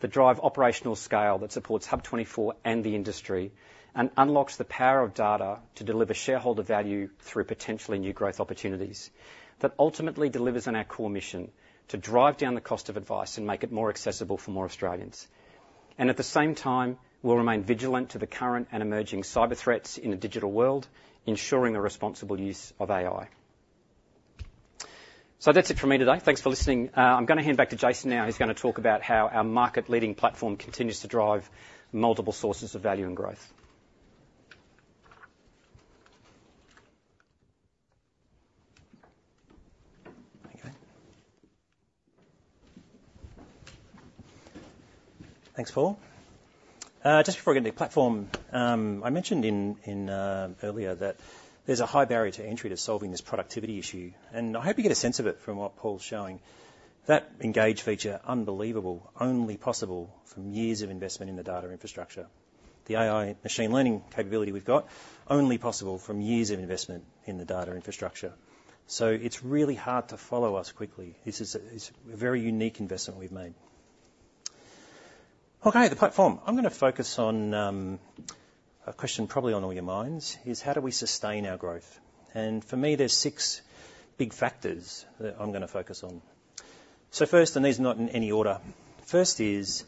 That drive operational scale that supports HUB24 and the industry, and unlocks the power of data to deliver shareholder value through potentially new growth opportunities. That ultimately delivers on our core mission to drive down the cost of advice and make it more accessible for more Australians. And at the same time, we'll remain vigilant to the current and emerging cyber threats in a digital world, ensuring a responsible use of AI. So that's it for me today. Thanks for listening. I'm going to hand back to Jason now, who's going to talk about how our market-leading platform continues to drive multiple sources of value and growth. Thanks, Paul. Just before we get into the platform, I mentioned earlier that there's a high barrier to entry to solving this productivity issue. And I hope you get a sense of it from what Paul's showing. That Engage feature, unbelievable, only possible from years of investment in the data infrastructure. The AI machine learning capability we've got, only possible from years of investment in the data infrastructure. So it's really hard to follow us quickly. This is a very unique investment we've made. Okay, the platform. I'm going to focus on a question probably on all your minds: how do we sustain our growth? And for me, there's six big factors that I'm going to focus on. So first, and these are not in any order, first is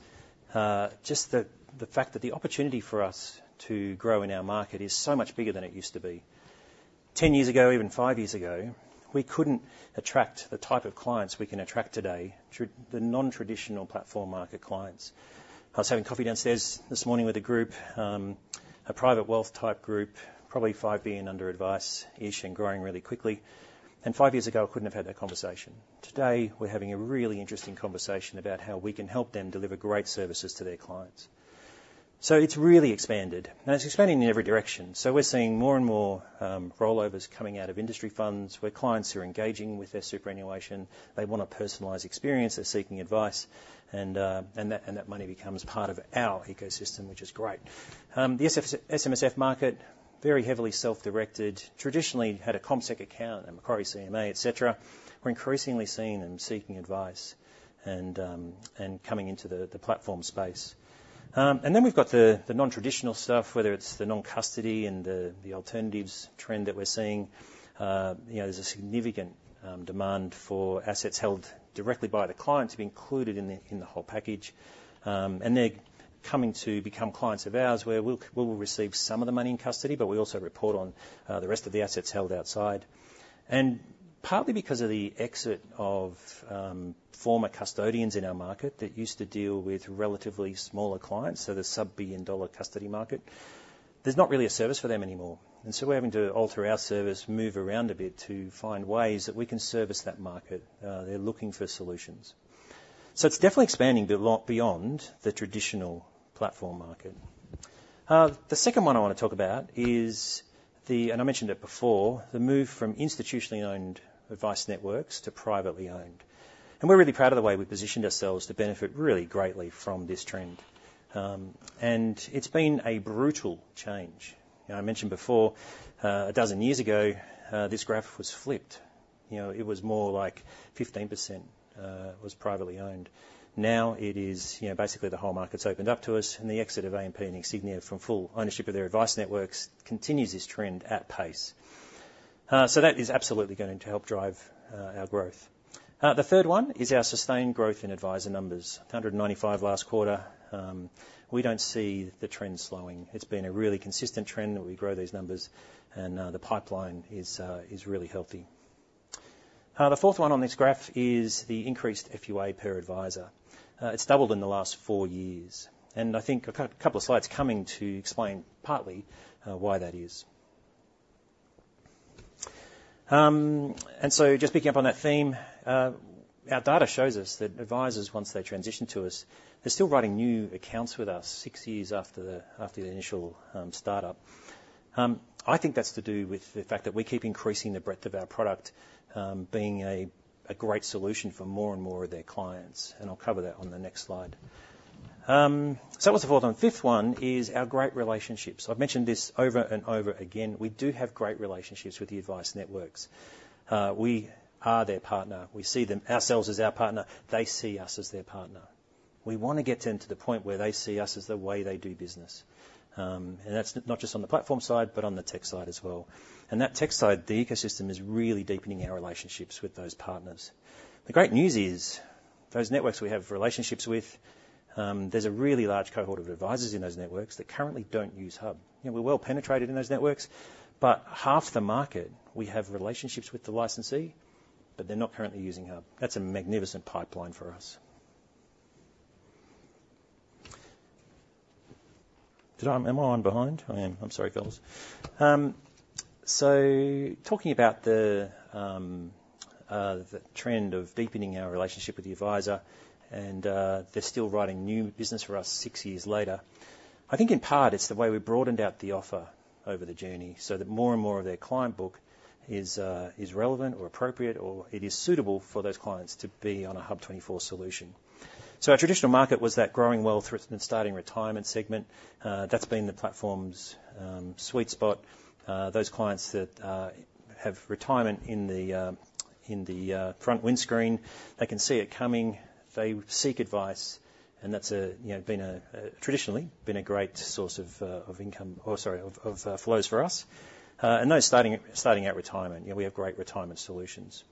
just the fact that the opportunity for us to grow in our market is so much bigger than it used to be. Ten years ago, even five years ago, we couldn't attract the type of clients we can attract today through the non-traditional platform market clients. I was having coffee downstairs this morning with a group, a private wealth-type group, probably 5 billion under advice-ish and growing really quickly. Five years ago, I couldn't have had that conversation. Today, we're having a really interesting conversation about how we can help them deliver great services to their clients. It's really expanded. It's expanding in every direction. We're seeing more and more rollovers coming out of industry funds where clients are engaging with their superannuation. They want a personalized experience. They're seeking advice. That money becomes part of our ecosystem, which is great. The SMSF market, very heavily self-directed, traditionally had a CommSec account and Macquarie CMA, etc. We're increasingly seeing them seeking advice and coming into the platform space, and then we've got the non-traditional stuff, whether it's the non-custody and the alternatives trend that we're seeing. There's a significant demand for assets held directly by the client to be included in the whole package, and they're coming to become clients of ours where we will receive some of the money in custody, but we also report on the rest of the assets held outside, and partly because of the exit of former custodians in our market that used to deal with relatively smaller clients, so the sub-billion-dollar custody market, there's not really a service for them anymore, and so we're having to alter our service, move around a bit to find ways that we can service that market. They're looking for solutions, so it's definitely expanding beyond the traditional platform market. The second one I want to talk about is the, and I mentioned it before, the move from institutionally owned advice networks to privately owned. And we're really proud of the way we positioned ourselves to benefit really greatly from this trend. And it's been a brutal change. I mentioned before, a dozen years ago, this graph was flipped. It was more like 15% was privately owned. Now it is basically the whole market's opened up to us. And the exit of AMP and Insignia from full ownership of their advice networks continues this trend at pace. So that is absolutely going to help drive our growth. The third one is our sustained growth in advisor numbers: 195 last quarter. We don't see the trend slowing. It's been a really consistent trend that we grow these numbers. And the pipeline is really healthy. The fourth one on this graph is the increased FUA per advisor. It's doubled in the last four years, and I think a couple of slides coming to explain partly why that is, and so just picking up on that theme, our data shows us that advisors, once they transition to us, they're still writing new accounts with us six years after the initial startup. I think that's to do with the fact that we keep increasing the breadth of our product, being a great solution for more and more of their clients, and I'll cover that on the next slide, so what's the fourth and fifth one is our great relationships. I've mentioned this over and over again. We do have great relationships with the advice networks. We are their partner. We see them ourselves as our partner. They see us as their partner. We want to get them to the point where they see us as the way they do business. And that's not just on the platform side, but on the tech side as well. And that tech side, the ecosystem is really deepening our relationships with those partners. The great news is those networks we have relationships with, there's a really large cohort of advisors in those networks that currently don't use HUB. We're well-penetrated in those networks, but half the market, we have relationships with the licensee, but they're not currently using HUB. That's a magnificent pipeline for us. Am I behind? I am. I'm sorry, girls. Talking about the trend of deepening our relationship with the advisor and they're still writing new business for us six years later, I think in part it's the way we broadened out the offer over the journey so that more and more of their client book is relevant or appropriate or it is suitable for those clients to be on a HUB24 solution. Our traditional market was that growing wealth and starting retirement segment. That's been the platform's sweet spot. Those clients that have retirement in the front windscreen, they can see it coming. They seek advice. That's traditionally been a great source of income, oh, sorry, of flows for us. Those starting out retirement, we have great retirement solutions.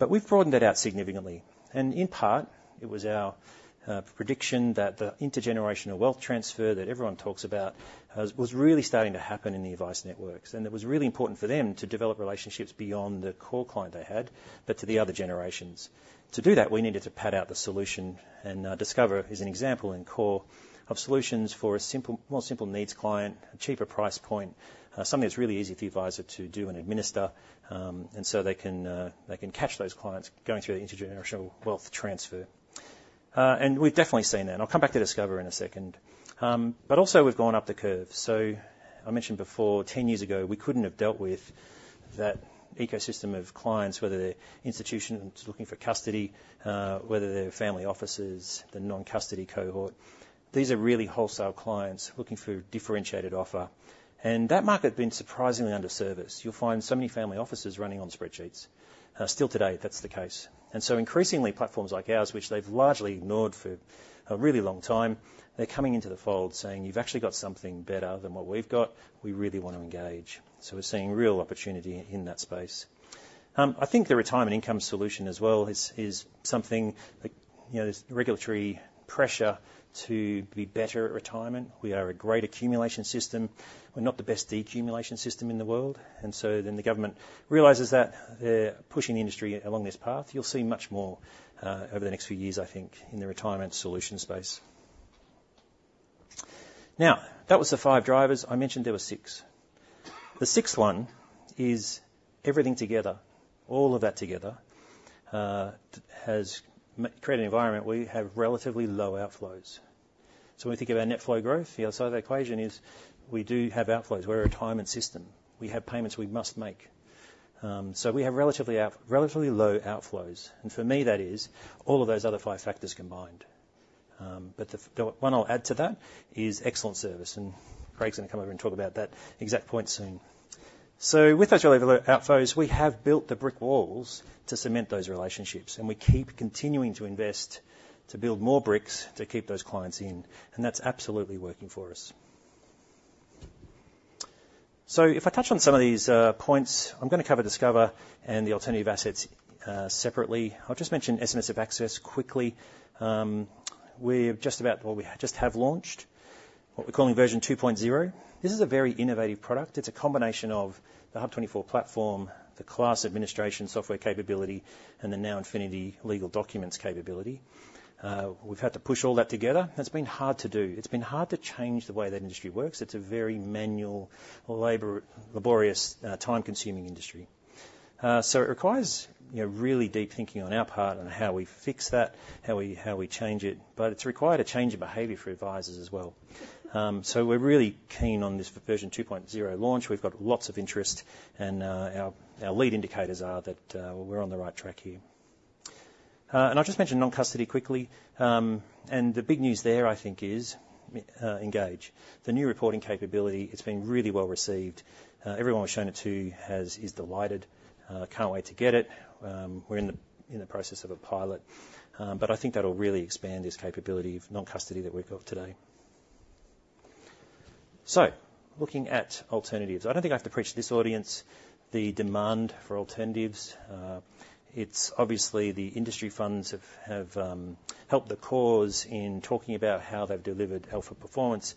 We've broadened that out significantly. In part, it was our prediction that the intergenerational wealth transfer that everyone talks about was really starting to happen in the advice networks. It was really important for them to develop relationships beyond the core client they had, but to the other generations. To do that, we needed to pad out the solution, and Discover is an example in core of solutions for a more simple needs client, a cheaper price point, something that's really easy for the advisor to do and administer. So they can catch those clients going through the intergenerational wealth transfer. We've definitely seen that. I'll come back to Discover in a second. Also, we've gone up the curve. I mentioned before, ten years ago, we couldn't have dealt with that ecosystem of clients, whether they're institutions looking for custody, whether they're family offices, the non-custody cohort. These are really wholesale clients looking for differentiated offer, and that market has been surprisingly under-serviced. You'll find so many family offices running on spreadsheets. Still today, that's the case, and so increasingly, platforms like ours, which they've largely ignored for a really long time, they're coming into the fold saying, "You've actually got something better than what we've got. We really want to engage." So we're seeing real opportunity in that space. I think the retirement income solution as well is something that there's regulatory pressure to be better at retirement. We are a great accumulation system. We're not the best de-accumulation system in the world, and so then the government realizes that they're pushing the industry along this path. You'll see much more over the next few years, I think, in the retirement solution space. Now, that was the five drivers. I mentioned there were six. The sixth one is everything together. All of that together has created an environment where we have relatively low outflows, so when we think about net flow growth, the other side of the equation is we do have outflows. We're a retirement system. We have payments we must make, so we have relatively low outflows. For me, that is all of those other five factors combined. The one I'll add to that is excellent service. Craig's going to come over and talk about that exact point soon. With those relative outflows, we have built the brick walls to cement those relationships. We keep continuing to invest to build more bricks to keep those clients in. That's absolutely working for us. If I touch on some of these points, I'm going to cover Discover and the alternative assets separately. I'll just mention SMSF Access quickly. We're just about, well, we just have launched what we're calling version 2.0. This is a very innovative product. It's a combination of the HUB24 platform, the Class administration software capability, and the NowInfinity legal documents capability. We've had to push all that together, and it's been hard to do. It's been hard to change the way that industry works. It's a very manual, laborious, time-consuming industry, so it requires really deep thinking on our part on how we fix that, how we change it, but it's required a change in behavior for advisors as well, so we're really keen on this version 2.0 launch. We've got lots of interest, and our lead indicators are that we're on the right track here, and I'll just mention non-custody quickly, and the big news there, I think, is Engage. The new reporting capability, it's been really well received. Everyone we've shown it to is delighted. Can't wait to get it. We're in the process of a pilot. But I think that'll really expand this capability of non-custody that we've got today. So looking at alternatives, I don't think I have to preach to this audience the demand for alternatives. It's obviously the industry funds have helped the cause in talking about how they've delivered alpha performance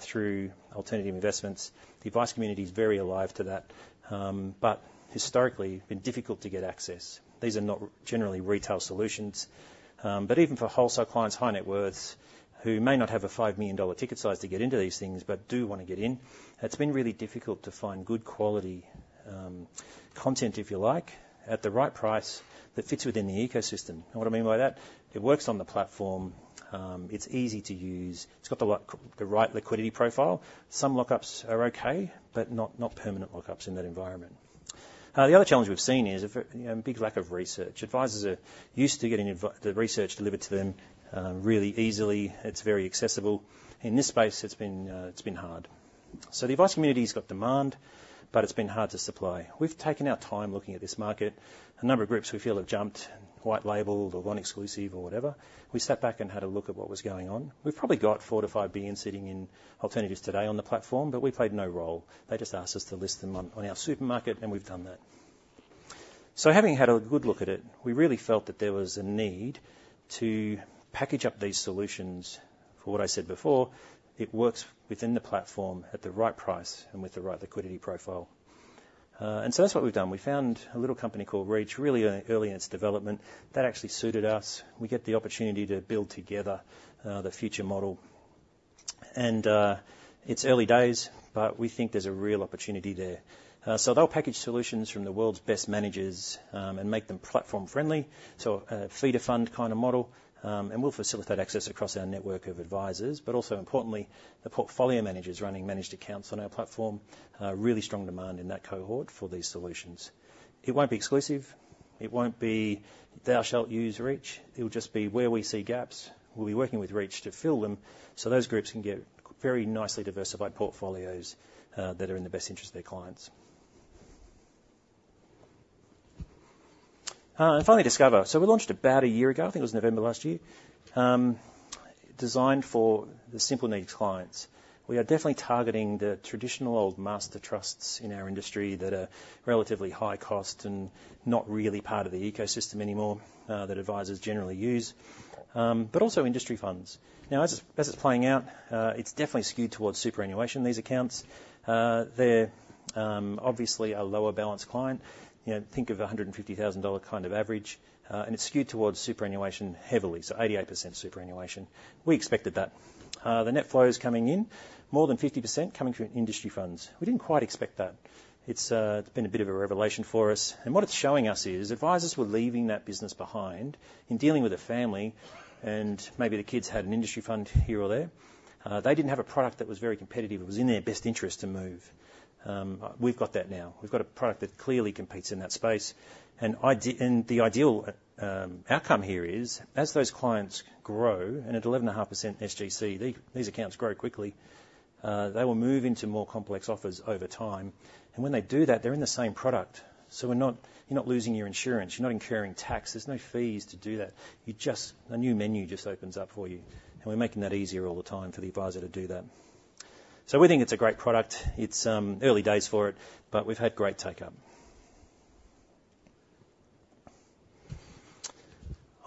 through alternative investments. The advice community is very alive to that. But historically, it's been difficult to get access. These are not generally retail solutions. But even for wholesale clients, high net worth who may not have a 5 million dollar ticket size to get into these things but do want to get in, it's been really difficult to find good quality content, if you like, at the right price that fits within the ecosystem. And what I mean by that, it works on the platform. It's easy to use. It's got the right liquidity profile. Some lockups are okay, but not permanent lockups in that environment. The other challenge we've seen is a big lack of research. Advisors are used to getting the research delivered to them really easily. It's very accessible. In this space, it's been hard. So the advice community has got demand, but it's been hard to supply. We've taken our time looking at this market. A number of groups we feel have jumped, white label or one exclusive or whatever. We sat back and had a look at what was going on. We've probably got 4 billion-5 billion sitting in alternatives today on the platform, but we played no role. They just asked us to list them on our supermarket, and we've done that, so having had a good look at it, we really felt that there was a need to package up these solutions for what I said before. It works within the platform at the right price and with the right liquidity profile, and so that's what we've done. We found a little company called Reach, really early in its development. That actually suited us. We get the opportunity to build together the future model, and it's early days, but we think there's a real opportunity there, so they'll package solutions from the world's best managers and make them platform-friendly, so a feeder fund kind of model. We'll facilitate access across our network of advisors. But also importantly, the portfolio managers running managed accounts on our platform, really strong demand in that cohort for these solutions. It won't be exclusive. It won't be, "Thou shalt use Reach." It'll just be, "Where we see gaps, we'll be working with Reach to fill them so those groups can get very nicely diversified portfolios that are in the best interest of their clients." And finally, Discover. So we launched about a year ago. I think it was November last year. Designed for the simple needs clients. We are definitely targeting the traditional old master trusts in our industry that are relatively high cost and not really part of the ecosystem anymore that advisors generally use, but also industry funds. Now, as it's playing out, it's definitely skewed towards superannuation, these accounts. They're obviously a lower balance client. Think of a 150,000 dollar kind of average, and it's skewed towards superannuation heavily, so 88% superannuation. We expected that. The net flows coming in, more than 50% coming through industry funds. We didn't quite expect that. It's been a bit of a revelation for us, and what it's showing us is advisors were leaving that business behind in dealing with a family, and maybe the kids had an industry fund here or there. They didn't have a product that was very competitive. It was in their best interest to move. We've got that now. We've got a product that clearly competes in that space, and the ideal outcome here is, as those clients grow, and at 11.5% SGCD, these accounts grow quickly, they will move into more complex offers over time, and when they do that, they're in the same product, so you're not losing your insurance. You're not incurring tax. There's no fees to do that. A new menu just opens up for you, and we're making that easier all the time for the advisor to do that, so we think it's a great product. It's early days for it, but we've had great take-up.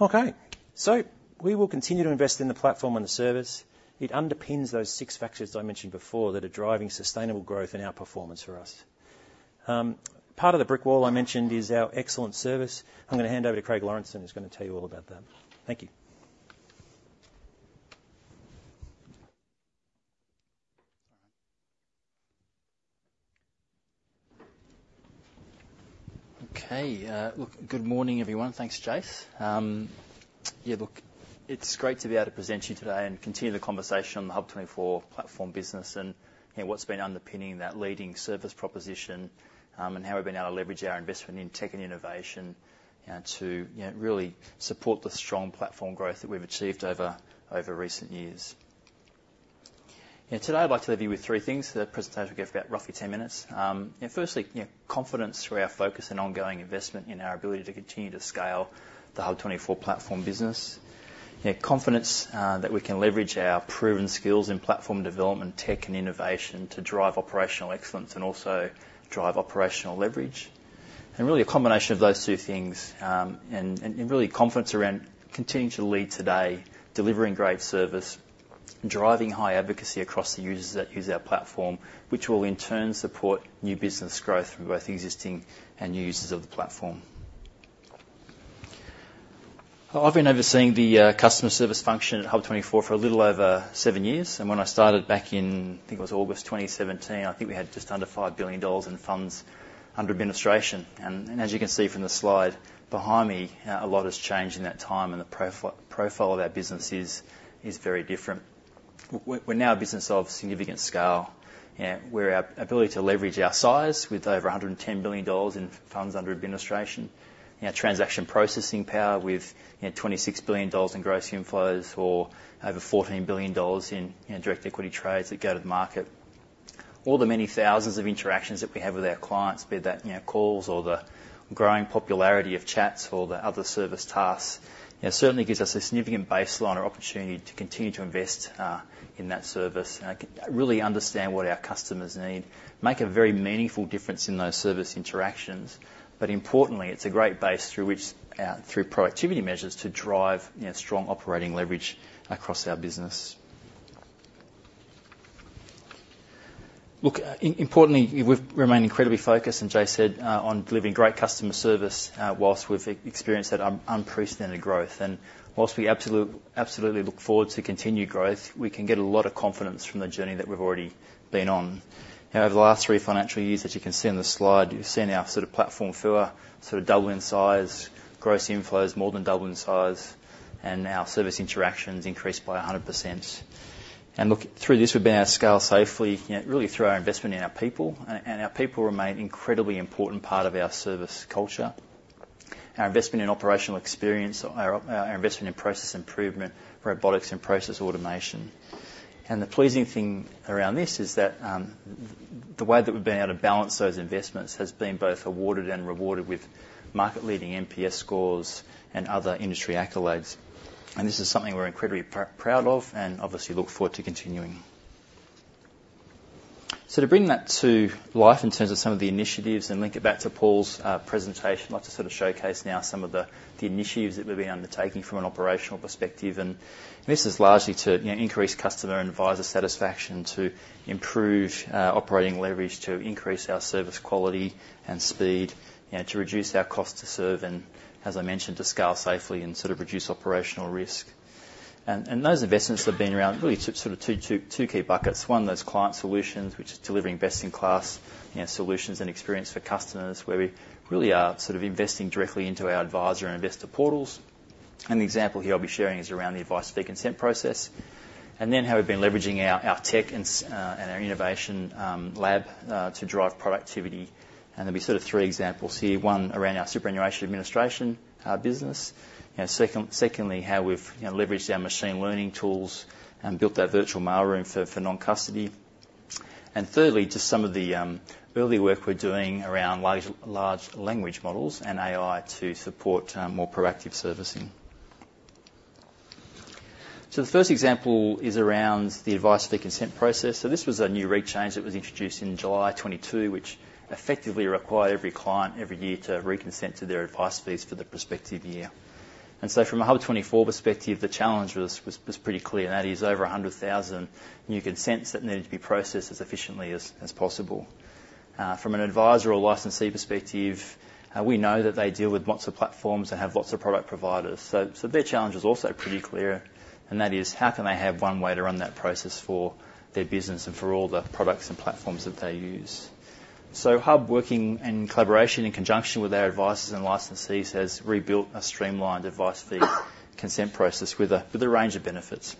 Okay, so we will continue to invest in the platform and the service. It underpins those six factors that I mentioned before that are driving sustainable growth and outperformance for us. Part of the brick wall I mentioned is our excellent service. I'm going to hand over to Craig Lawrenson. He's going to tell you all about that. Thank you. All right. Okay. Look, good morning, everyone. Thanks, Jase. Yeah, look, it's great to be able to present you today and continue the conversation on the HUB24 platform business and what's been underpinning that leading service proposition and how we've been able to leverage our investment in tech and innovation to really support the strong platform growth that we've achieved over recent years. Yeah, today, I'd like to leave you with three things. The presentation will give about roughly 10 minutes. Firstly, confidence through our focus and ongoing investment in our ability to continue to scale the HUB24 platform business. Confidence that we can leverage our proven skills in platform development, tech, and innovation to drive operational excellence and also drive operational leverage, and really, a combination of those two things. And really, confidence around continuing to lead today, delivering great service, driving high advocacy across the users that use our platform, which will in turn support new business growth from both existing and new users of the platform. I've been overseeing the customer service function at HUB24 for a little over seven years. And when I started back in, I think it was August 2017, I think we had just under 5 billion dollars in funds under administration. And as you can see from the slide behind me, a lot has changed in that time. And the profile of our business is very different. We're now a business of significant scale. We're able to leverage our size with over 110 billion dollars in funds under administration, our transaction processing power with 26 billion dollars in gross inflows or over 14 billion dollars in direct equity trades that go to the market. All the many thousands of interactions that we have with our clients, be that calls or the growing popularity of chats or the other service tasks, certainly gives us a significant baseline or opportunity to continue to invest in that service, really understand what our customers need, make a very meaningful difference in those service interactions, but importantly, it's a great base through productivity measures to drive strong operating leverage across our business. Look, importantly, we've remained incredibly focused, and Jase said, on delivering great customer service whilst we've experienced that unprecedented growth, and whilst we absolutely look forward to continued growth, we can get a lot of confidence from the journey that we've already been on. Over the last three financial years, as you can see on the slide, you've seen our sort of platform FUA sort of doubling in size, gross inflows more than doubling in size, and our service interactions increased by 100%. Look, through this, we've been able to scale safely, really through our investment in our people. Our people remain an incredibly important part of our service culture. Our investment in operational excellence, our investment in process improvement, robotics, and process automation. The pleasing thing around this is that the way that we've been able to balance those investments has been both awarded and rewarded with market-leading NPS scores and other industry accolades. This is something we're incredibly proud of and obviously look forward to continuing. So to bring that to life in terms of some of the initiatives and link it back to Paul's presentation, I'd like to sort of showcase now some of the initiatives that we've been undertaking from an operational perspective. And this is largely to increase customer and advisor satisfaction, to improve operating leverage, to increase our service quality and speed, to reduce our cost to serve, and as I mentioned, to scale safely and sort of reduce operational risk. And those investments have been around really sort of two key buckets. One, those client solutions, which are delivering best-in-class solutions and experience for customers, where we really are sort of investing directly into our advisor and investor portals. And the example here I'll be sharing is around the advice fee consent process. And then how we've been leveraging our tech and our innovation lab to drive productivity. There'll be sort of three examples here. One, around our superannuation administration business. Secondly, how we've leveraged our machine learning tools and built that virtual mailroom for non-custody. And thirdly, just some of the early work we're doing around large language models and AI to support more proactive servicing. The first example is around the advice fee consent process. This was a new rate change that was introduced in July 2022, which effectively required every client every year to reconsent to their advice fees for the prospective year. From a HUB24 perspective, the challenge was pretty clear. That is over 100,000 new consents that needed to be processed as efficiently as possible. From an advisor or licensee perspective, we know that they deal with lots of platforms and have lots of product providers. Their challenge was also pretty clear. And that is, how can they have one way to run that process for their business and for all the products and platforms that they use? So HUB24, working in collaboration in conjunction with our advisors and licensees, has rebuilt a streamlined advice fee consent process with a range of benefits.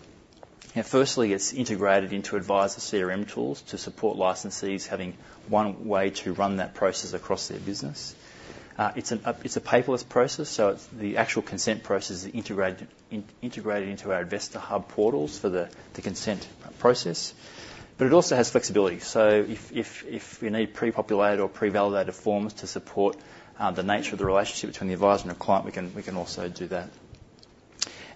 Firstly, it's integrated into advisor CRM tools to support licensees having one way to run that process across their business. It's a paperless process. So the actual consent process is integrated into our InvestorHUB portals for the consent process. But it also has flexibility. So if we need pre-populated or pre-validated forms to support the nature of the relationship between the advisor and a client, we can also do that.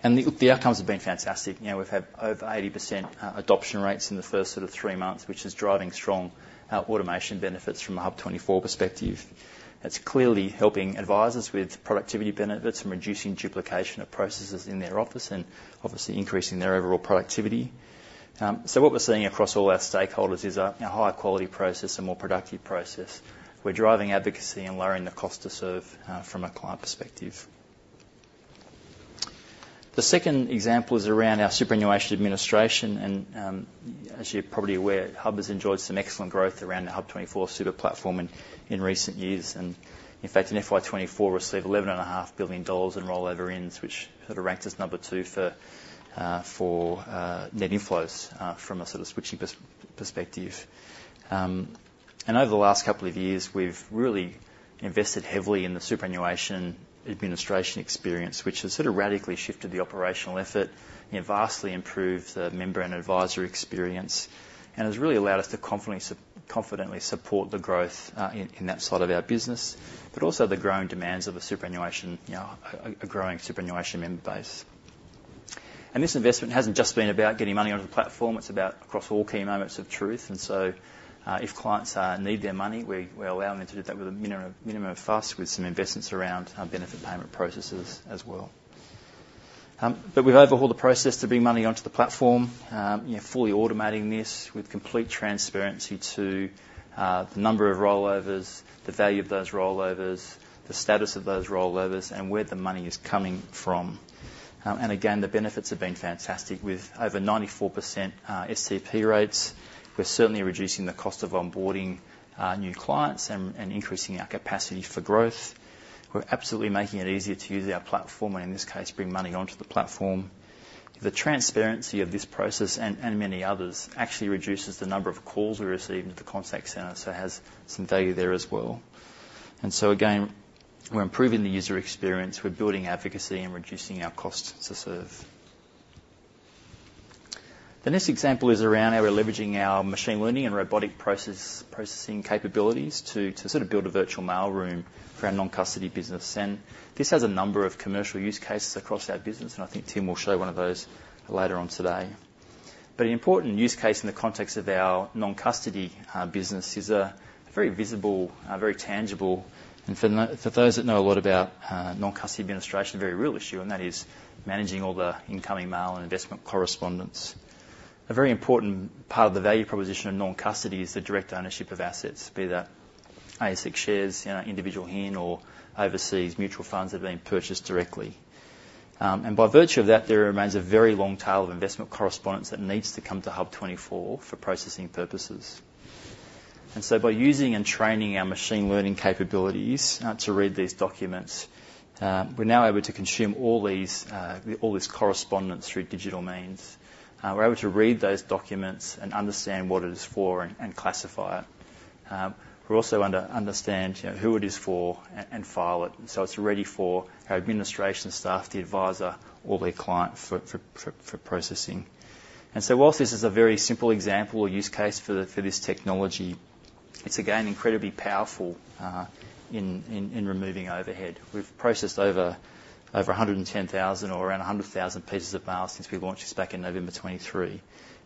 And the outcomes have been fantastic. We've had over 80% adoption rates in the first sort of three months, which is driving strong automation benefits from a HUB24 perspective. It's clearly helping advisors with productivity benefits and reducing duplication of processes in their office and obviously increasing their overall productivity. So what we're seeing across all our stakeholders is a higher quality process, a more productive process. We're driving advocacy and lowering the cost to serve from a client perspective. The second example is around our superannuation administration. And as you're probably aware, HUB has enjoyed some excellent growth around the HUB24 Super platform in recent years. And in fact, in FY 2024, we received AUD 11.5 billion in rollover inflows, which sort of ranked us number two for net inflows from a sort of switching perspective. Over the last couple of years, we've really invested heavily in the superannuation administration experience, which has sort of radically shifted the operational effort, vastly improved the member and advisor experience, and has really allowed us to confidently support the growth in that side of our business, but also the growing demands of a superannuation, a growing superannuation member base. This investment hasn't just been about getting money onto the platform. It's about across all key moments of truth. So if clients need their money, we're allowing them to do that with a minimum of fuss, with some investments around benefit payment processes as well. We've overhauled the process to bring money onto the platform, fully automating this with complete transparency to the number of rollovers, the value of those rollovers, the status of those rollovers, and where the money is coming from. Again, the benefits have been fantastic. With over 94% STP rates, we're certainly reducing the cost of onboarding new clients and increasing our capacity for growth. We're absolutely making it easier to use our platform and, in this case, bring money onto the platform. The transparency of this process and many others actually reduces the number of calls we receive into the contact center, so it has some value there as well, so again we're improving the user experience. We're building advocacy and reducing our cost to serve. The next example is around how we're leveraging our machine learning and robotic processing capabilities to sort of build a virtual mailroom for our non-custody business. This has a number of commercial use cases across our business. I think Tim will show one of those later on today. But an important use case in the context of our non-custody business is a very visible, very tangible. And for those that know a lot about non-custody administration, a very real issue, and that is managing all the incoming mail and investment correspondence. A very important part of the value proposition of non-custody is the direct ownership of assets, be that ASX shares, individual HIN, or overseas mutual funds that have been purchased directly. And by virtue of that, there remains a very long tail of investment correspondence that needs to come to HUB24 for processing purposes. And so by using and training our machine learning capabilities to read these documents, we're now able to consume all this correspondence through digital means. We're able to read those documents and understand what it is for and classify it. We're also able to understand who it is for and file it. It's ready for our administration staff, the advisor, or the client for processing. While this is a very simple example or use case for this technology, it's again incredibly powerful in removing overhead. We've processed over 110,000 or around 100,000 pieces of mail since we launched this back in November 2023.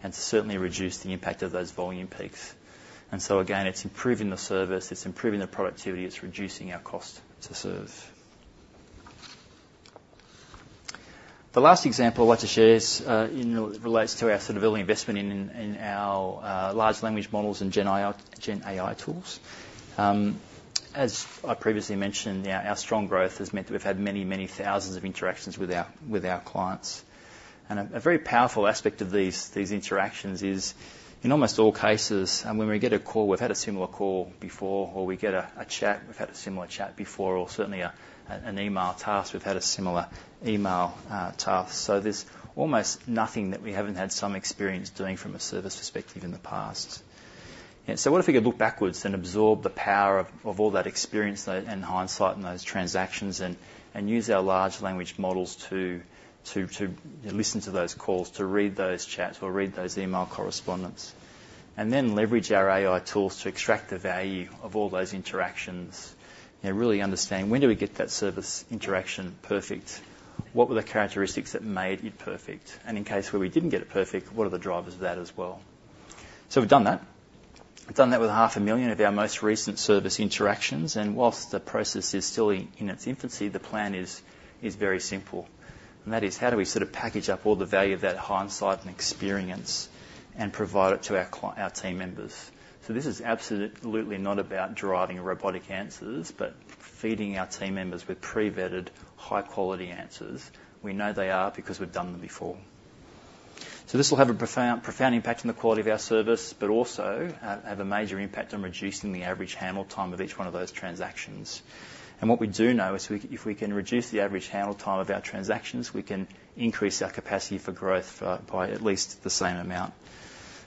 It's certainly reduced the impact of those volume peaks. It's improving the service. It's improving the productivity. It's reducing our cost to serve. The last example I'd like to share relates to our sort of early investment in our large language models and GenAI tools. As I previously mentioned, our strong growth has meant that we've had many, many thousands of interactions with our clients. A very powerful aspect of these interactions is, in almost all cases, when we get a call, we've had a similar call before, or we get a chat, we've had a similar chat before, or certainly an email task, we've had a similar email task. So there's almost nothing that we haven't had some experience doing from a service perspective in the past. And so what if we could look backwards and absorb the power of all that experience and hindsight in those transactions and use our large language models to listen to those calls, to read those chats, or read those email correspondence, and then leverage our AI tools to extract the value of all those interactions, really understand when do we get that service interaction perfect, what were the characteristics that made it perfect, and in case where we didn't get it perfect, what are the drivers of that as well? So we've done that. We've done that with 500,000 of our most recent service interactions. And while the process is still in its infancy, the plan is very simple. And that is, how do we sort of package up all the value of that hindsight and experience and provide it to our team members? So this is absolutely not about driving robotic answers, but feeding our team members with pre-vetted, high-quality answers. We know they are because we've done them before. So this will have a profound impact on the quality of our service, but also have a major impact on reducing the average handle time of each one of those transactions. And what we do know is if we can reduce the average handle time of our transactions, we can increase our capacity for growth by at least the same amount.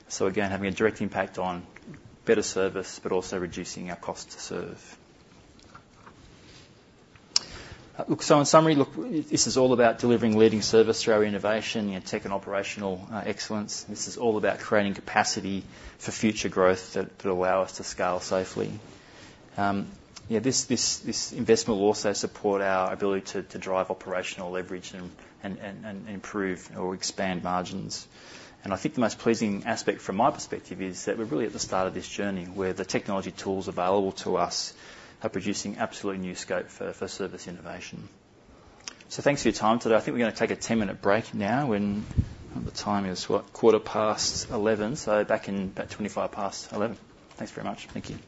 So again, having a direct impact on better service, but also reducing our cost to serve. So in summary, look, this is all about delivering leading service through our innovation and tech and operational excellence. This is all about creating capacity for future growth that will allow us to scale safely. This investment will also support our ability to drive operational leverage and improve or expand margins, and I think the most pleasing aspect from my perspective is that we're really at the start of this journey where the technology tools available to us are producing absolutely new scope for service innovation, so thanks for your time today. I think we're going to take a 10-minute break now. When. The time is, what, 11:15 A.M.? So back in about 11:25 A.M. Thanks very much. Thank you.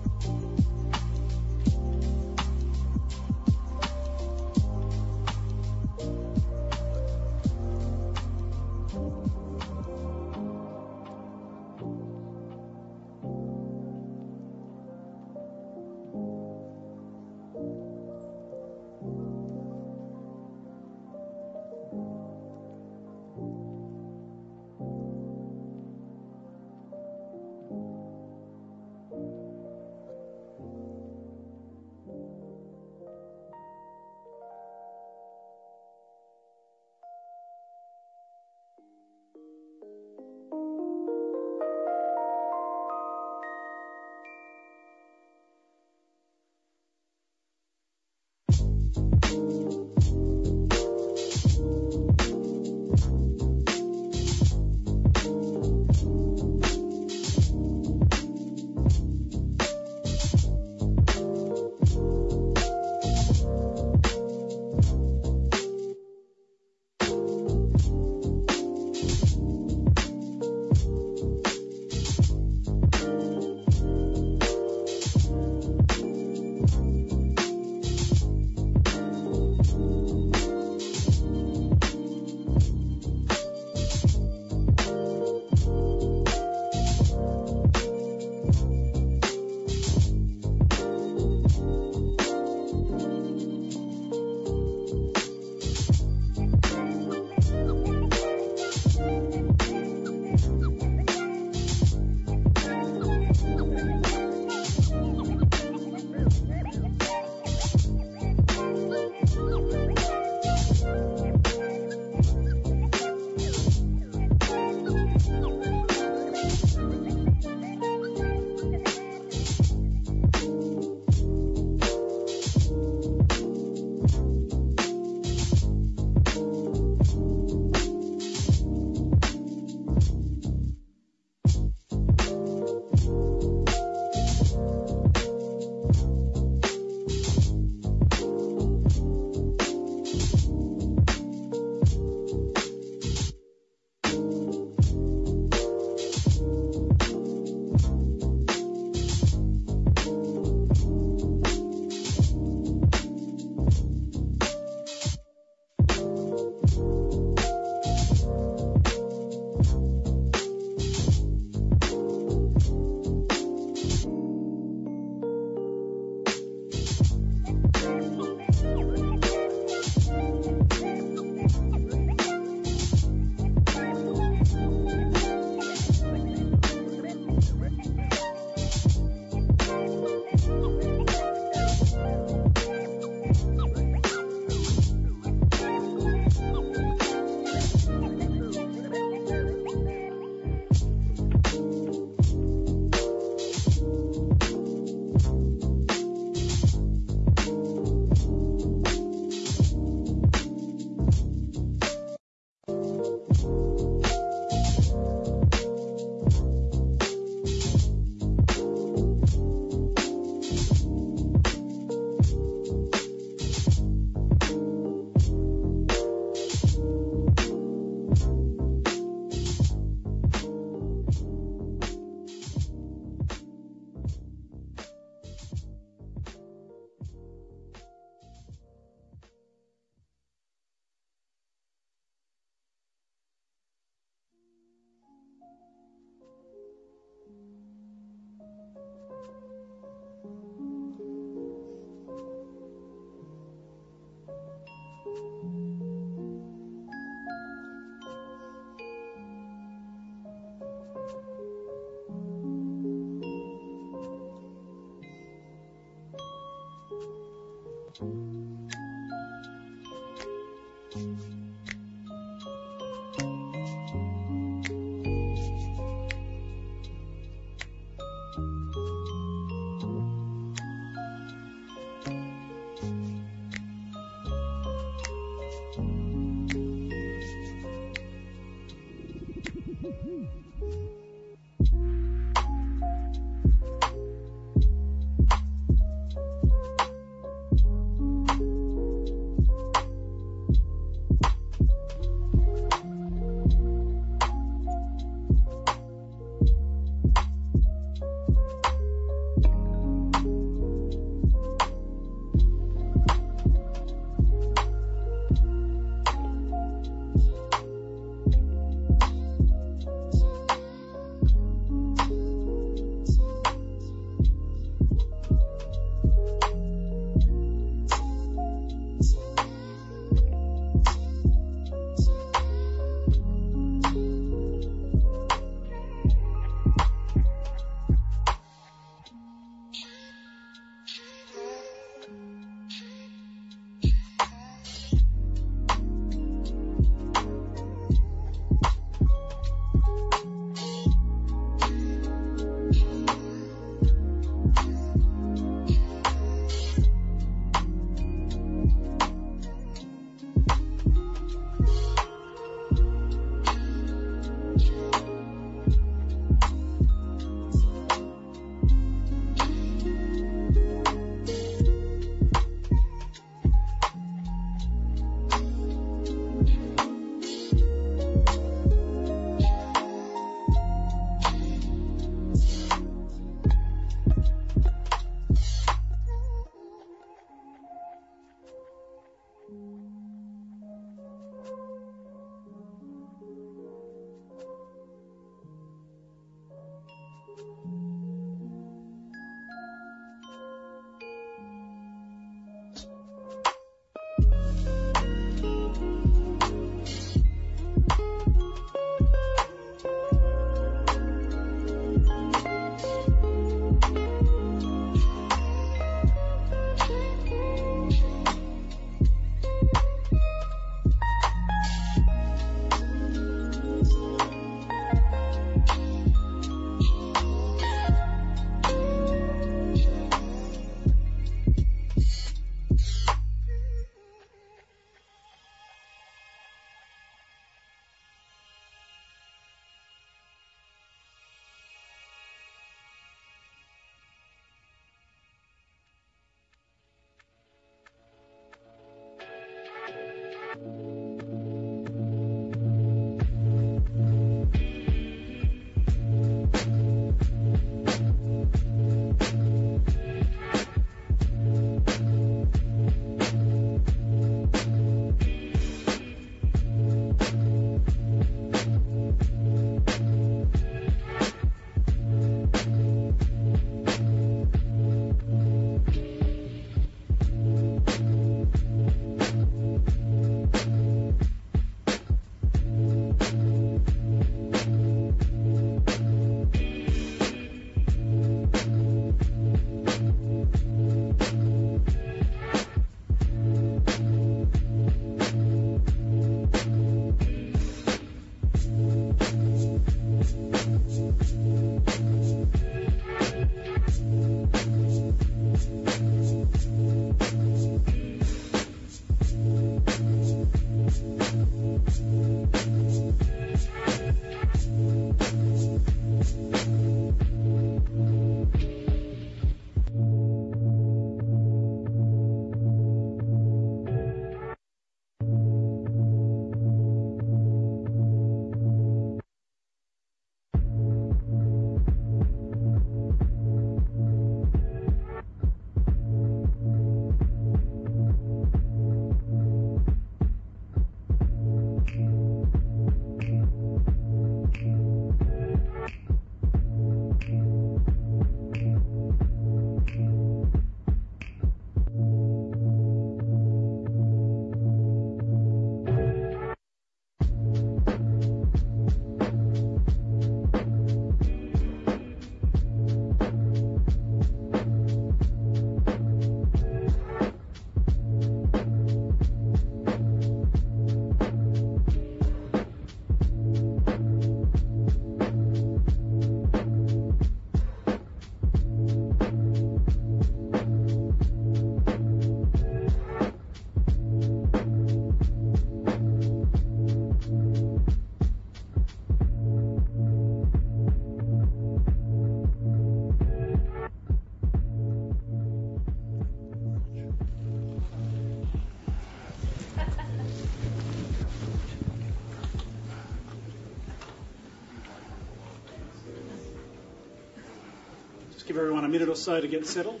Just give everyone a minute or so to get settled.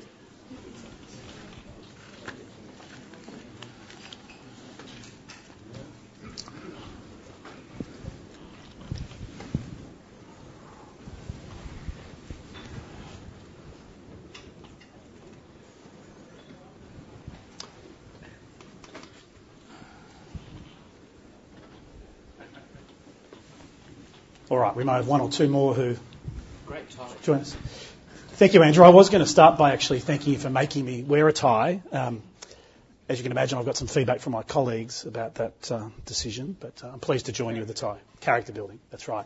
All right. We might have one or two more who join us. Thank you, Andrew. I was going to start by actually thanking you for making me wear a tie. As you can imagine, I've got some feedback from my colleagues about that decision, but I'm pleased to join you with the tie. Character building. That's right.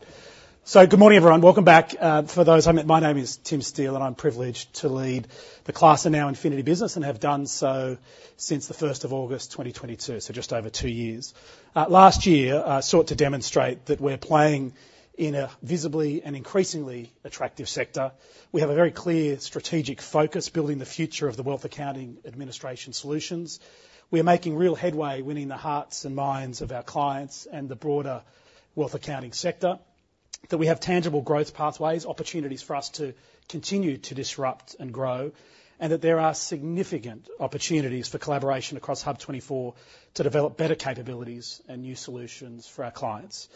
Good morning, everyone. Welcome back. For those I met, my name is Tim Steele, and I'm privileged to lead Class in our NowInfinity business and have done so since the 1st of August 2022, so just over two years. Last year, I sought to demonstrate that we're playing in a visibly and increasingly attractive sector. We have a very clear strategic focus building the future of the wealth accounting administration solutions. We are making real headway, winning the hearts and minds of our clients and the broader wealth accounting sector, that we have tangible growth pathways, opportunities for us to continue to disrupt and grow, and that there are significant opportunities for collaboration across HUB24 to develop better capabilities and new solutions for our clients.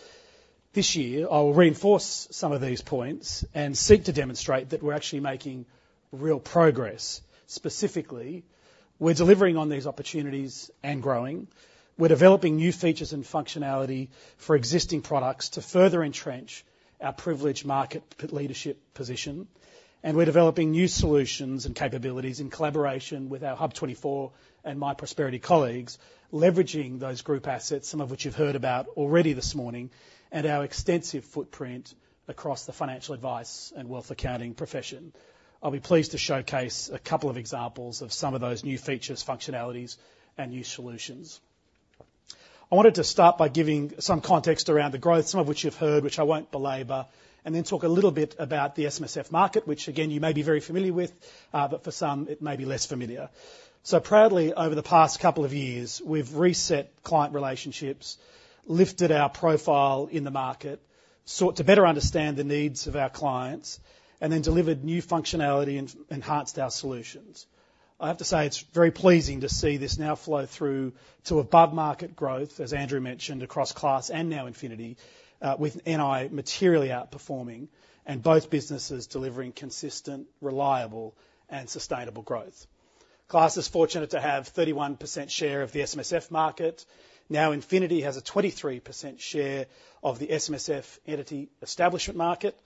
This year, I will reinforce some of these points and seek to demonstrate that we're actually making real progress. Specifically, we're delivering on these opportunities and growing. We're developing new features and functionality for existing products to further entrench our privileged market leadership position, and we're developing new solutions and capabilities in collaboration with our HUB24 and myprosperity colleagues, leveraging those group assets, some of which you've heard about already this morning, and our extensive footprint across the financial advice and wealth accounting profession. I'll be pleased to showcase a couple of examples of some of those new features, functionalities, and new solutions. I wanted to start by giving some context around the growth, some of which you've heard, which I won't belabor, and then talk a little bit about the SMSF market, which, again, you may be very familiar with, but for some, it may be less familiar. So proudly, over the past couple of years, we've reset client relationships, lifted our profile in the market, sought to better understand the needs of our clients, and then delivered new functionality and enhanced our solutions. I have to say it's very pleasing to see this now flow through to above-market growth, as Andrew mentioned, across Class and NowInfinity, with NI materially outperforming and both businesses delivering consistent, reliable, and sustainable growth. Class is fortunate to have a 31% share of the SMSF market. NowInfinity has a 23% share of the SMSF entity establishment market.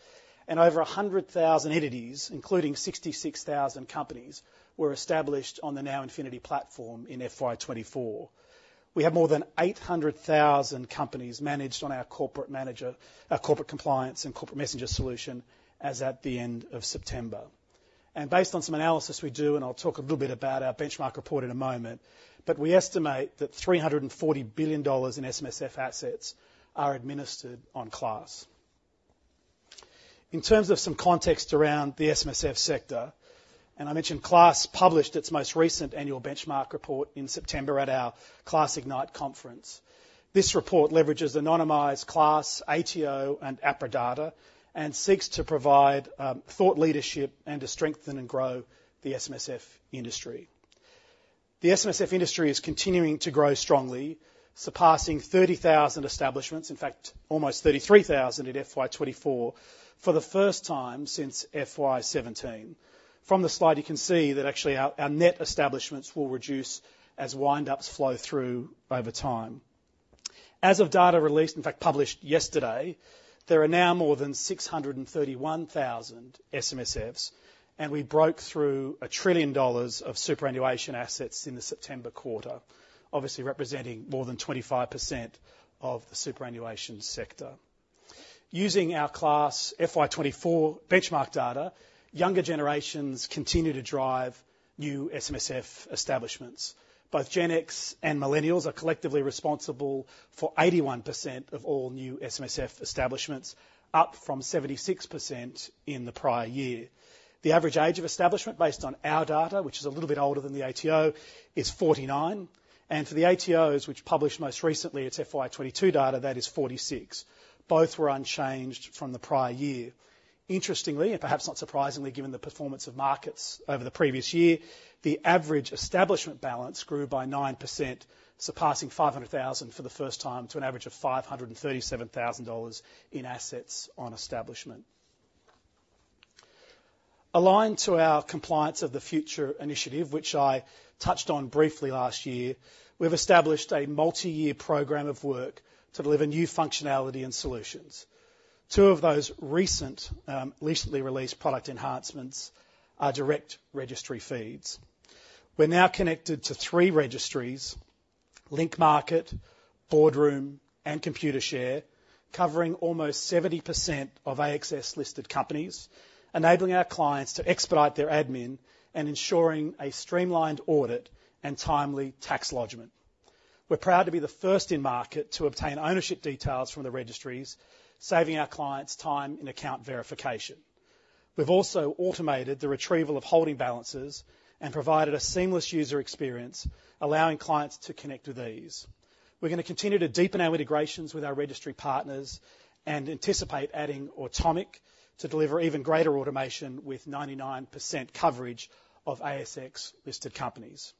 And over 100,000 entities, including 66,000 companies, were established on the NowInfinity platform in FY 2024. We have more than 800,000 companies managed on our corporate compliance and Corporate Messenger solution as at the end of September. Based on some analysis we do, and I'll talk a little bit about our benchmark report in a moment, but we estimate that 340 billion dollars in SMSF assets are administered on Class. In terms of some context around the SMSF sector, and I mentioned Class published its most recent annual benchmark report in September at our Class Ignite conference. This report leverages anonymized Class, ATO, and APRA data and seeks to provide thought leadership and to strengthen and grow the SMSF industry. The SMSF industry is continuing to grow strongly, surpassing 30,000 establishments, in fact, almost 33,000 in FY 2024 for the first time since FY 2017. From the slide, you can see that actually our net establishments will reduce as wind-ups flow through over time. As of data released, in fact, published yesterday, there are now more than 631,000 SMSFs, and we broke through 1 trillion dollars of superannuation assets in the September quarter, obviously representing more than 25% of the superannuation sector. Using our Class FY 2024 benchmark data, younger generations continue to drive new SMSF establishments. Both Gen X and Millennials are collectively responsible for 81% of all new SMSF establishments, up from 76% in the prior year. The average age of establishment based on our data, which is a little bit older than the ATO, is 49, and for the ATO's, which published most recently its FY 2022 data, that is 46. Both were unchanged from the prior year. Interestingly, and perhaps not surprisingly, given the performance of markets over the previous year, the average establishment balance grew by 9%, surpassing 500,000 for the first time to an average of 537,000 dollars in assets on establishment. Aligned to our Compliance of the Future initiative, which I touched on briefly last year, we've established a multi-year program of work to deliver new functionality and solutions. Two of those recently released product enhancements are direct registry feeds. We're now connected to three registries: Link Market Services, Boardroom, and Computershare, covering almost 70% of ASX-listed companies, enabling our clients to expedite their admin and ensuring a streamlined audit and timely tax lodgment. We're proud to be the first in market to obtain ownership details from the registries, saving our clients time in account verification. We've also automated the retrieval of holding balances and provided a seamless user experience, allowing clients to connect with ease. We're going to continue to deepen our integrations with our registry partners and anticipate adding Automic to deliver even greater automation with 99% coverage of ASX-listed companies.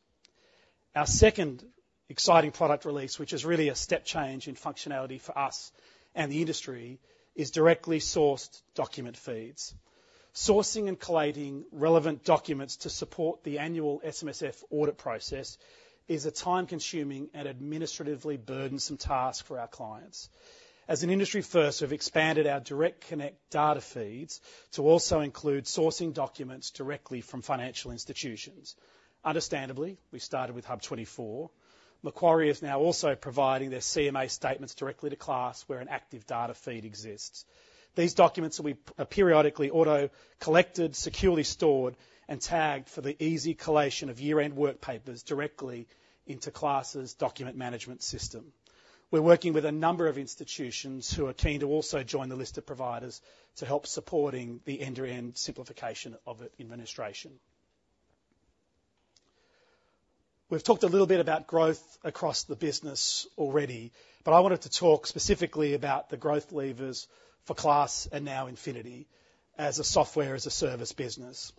Our second exciting product release, which is really a step change in functionality for us and the industry, is directly sourced document feeds. Sourcing and collating relevant documents to support the annual SMSF audit process is a time-consuming and administratively burdensome task for our clients. As an industry first, we've expanded our Direct Connect data feeds to also include sourcing documents directly from financial institutions. Understandably, we started with HUB24. Macquarie is now also providing their CMA statements directly to Class where an active data feed exists. These documents will be periodically auto-collected, securely stored, and tagged for the easy collation of year-end work papers directly into Class's document management system. We're working with a number of institutions who are keen to also join the list of providers to help support the end-to-end simplification of administration. We've talked a little bit about growth across the business already, but I wanted to talk specifically about the growth levers for Class and NowInfinity as a software-as-a-service business.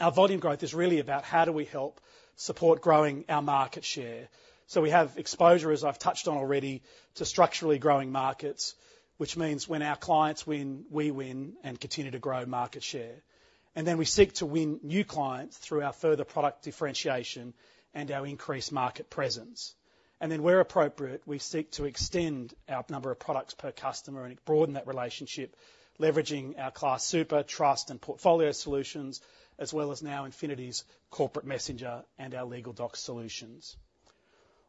Our volume growth is really about how do we help support growing our market share. So we have exposure, as I've touched on already, to structurally growing markets, which means when our clients win, we win and continue to grow market share. And then we seek to win new clients through our further product differentiation and our increased market presence. And then where appropriate, we seek to extend our number of products per customer and broaden that relationship, leveraging our Class Super, Class Trust, and Class Portfolio solutions, as well as NowInfinity's Corporate Messenger and our legal doc solutions.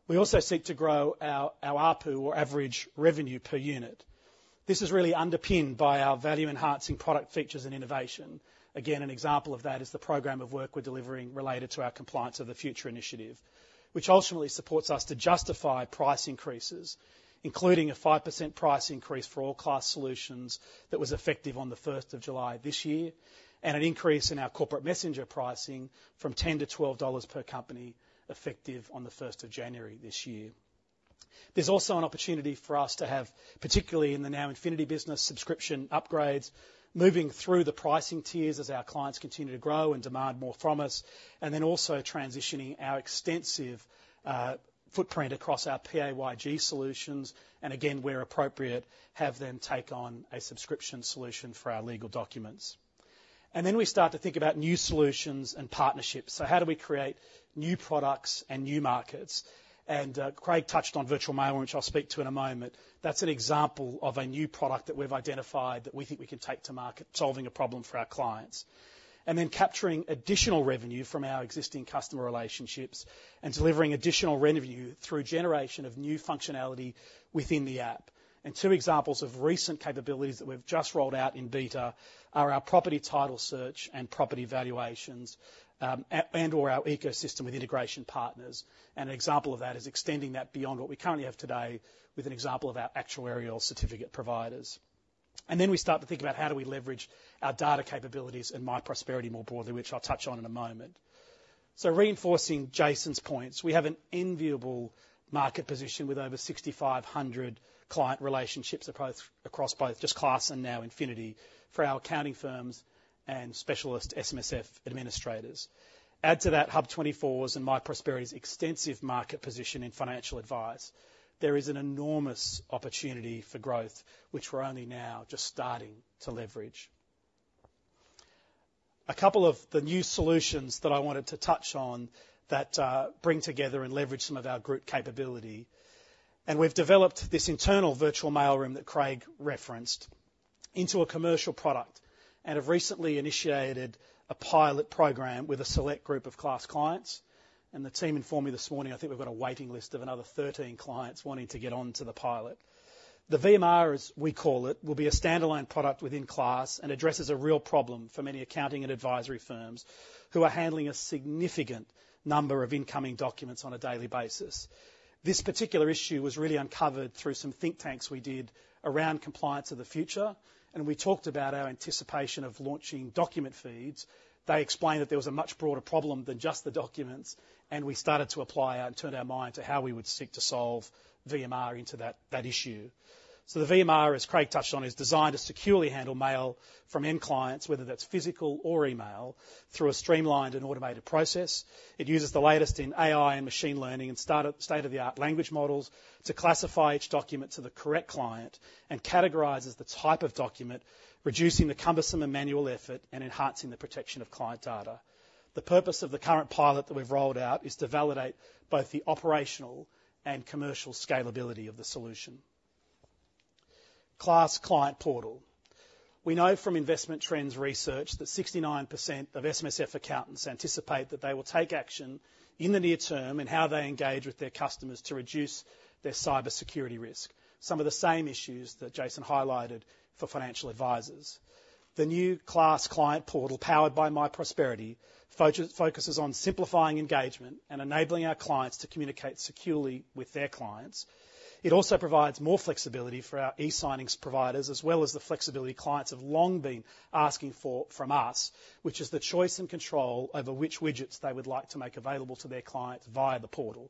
We also seek to grow our APU, or average revenue per unit. This is really underpinned by our value-enhancing product features and innovation. Again, an example of that is the program of work we're delivering related to our Compliance of the Future initiative, which ultimately supports us to justify price increases, including a 5% price increase for all Class solutions that was effective on the 1st of July this year, and an increase in our Corporate Messenger pricing from 10-12 dollars per company effective on the 1st of January this year. There's also an opportunity for us to have, particularly in the NowInfinity business, subscription upgrades, moving through the pricing tiers as our clients continue to grow and demand more from us, and then also transitioning our extensive footprint across our PAYG solutions, and again, where appropriate, have them take on a subscription solution for our legal documents, and then we start to think about new solutions and partnerships. How do we create new products and new markets? Craig touched on Virtual Mailroom, which I'll speak to in a moment. That's an example of a new product that we've identified that we think we can take to market, solving a problem for our clients, and then capturing additional revenue from our existing customer relationships and delivering additional revenue through generation of new functionality within the app. Two examples of recent capabilities that we've just rolled out in beta are our property title search and property valuations and/or our ecosystem with integration partners. An example of that is extending that beyond what we currently have today with an example of our actuarial certificate providers. Then we start to think about how do we leverage our data capabilities and myprosperity more broadly, which I'll touch on in a moment. Reinforcing Jason's points, we have an enviable market position with over 6,500 client relationships across both Class and NowInfinity for our accounting firms and specialist SMSF administrators. Add to that HUB24's and myprosperity's extensive market position in financial advice. There is an enormous opportunity for growth, which we're only now just starting to leverage. A couple of the new solutions that I wanted to touch on that bring together and leverage some of our group capability. And we've developed this internal Virtual Mailroom that Craig referenced into a commercial product and have recently initiated a pilot program with a select group of Class clients. And the team informed me this morning, I think we've got a waiting list of another 13 clients wanting to get onto the pilot. The VMR, as we call it, will be a standalone product within Class and addresses a real problem for many accounting and advisory firms who are handling a significant number of incoming documents on a daily basis. This particular issue was really uncovered through some think tanks we did around compliance of the future, and we talked about our anticipation of launching document feeds. They explained that there was a much broader problem than just the documents, and we started to apply and turn our mind to how we would seek to solve VMR into that issue. So the VMR, as Craig touched on, is designed to securely handle mail from end clients, whether that's physical or email, through a streamlined and automated process. It uses the latest in AI and machine learning and state-of-the-art language models to classify each document to the correct client and categorizes the type of document, reducing the cumbersome and manual effort and enhancing the protection of client data. The purpose of the current pilot that we've rolled out is to validate both the operational and commercial scalability of the solution. Class Client Portal. We know from investment trends research that 69% of SMSF accountants anticipate that they will take action in the near term in how they engage with their customers to reduce their cybersecurity risk, some of the same issues that Jason highlighted for financial advisors. The new Class Client Portal powered by myprosperity focuses on simplifying engagement and enabling our clients to communicate securely with their clients. It also provides more flexibility for our e-signing providers as well as the flexibility clients have long been asking for from us, which is the choice and control over which widgets they would like to make available to their clients via the portal.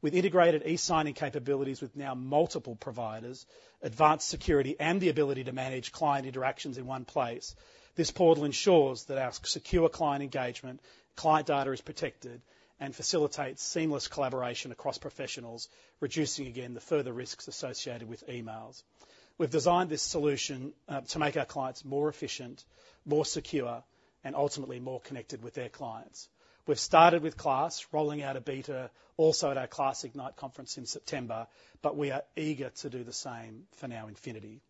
With integrated e-signing capabilities with now multiple providers, advanced security, and the ability to manage client interactions in one place, this portal ensures that our secure client engagement, client data is protected, and facilitates seamless collaboration across professionals, reducing, again, the further risks associated with emails. We've designed this solution to make our clients more efficient, more secure, and ultimately more connected with their clients. We've started with Class, rolling out a beta also at our Class Ignite conference in September, but we are eager to do the same for NowInfinity.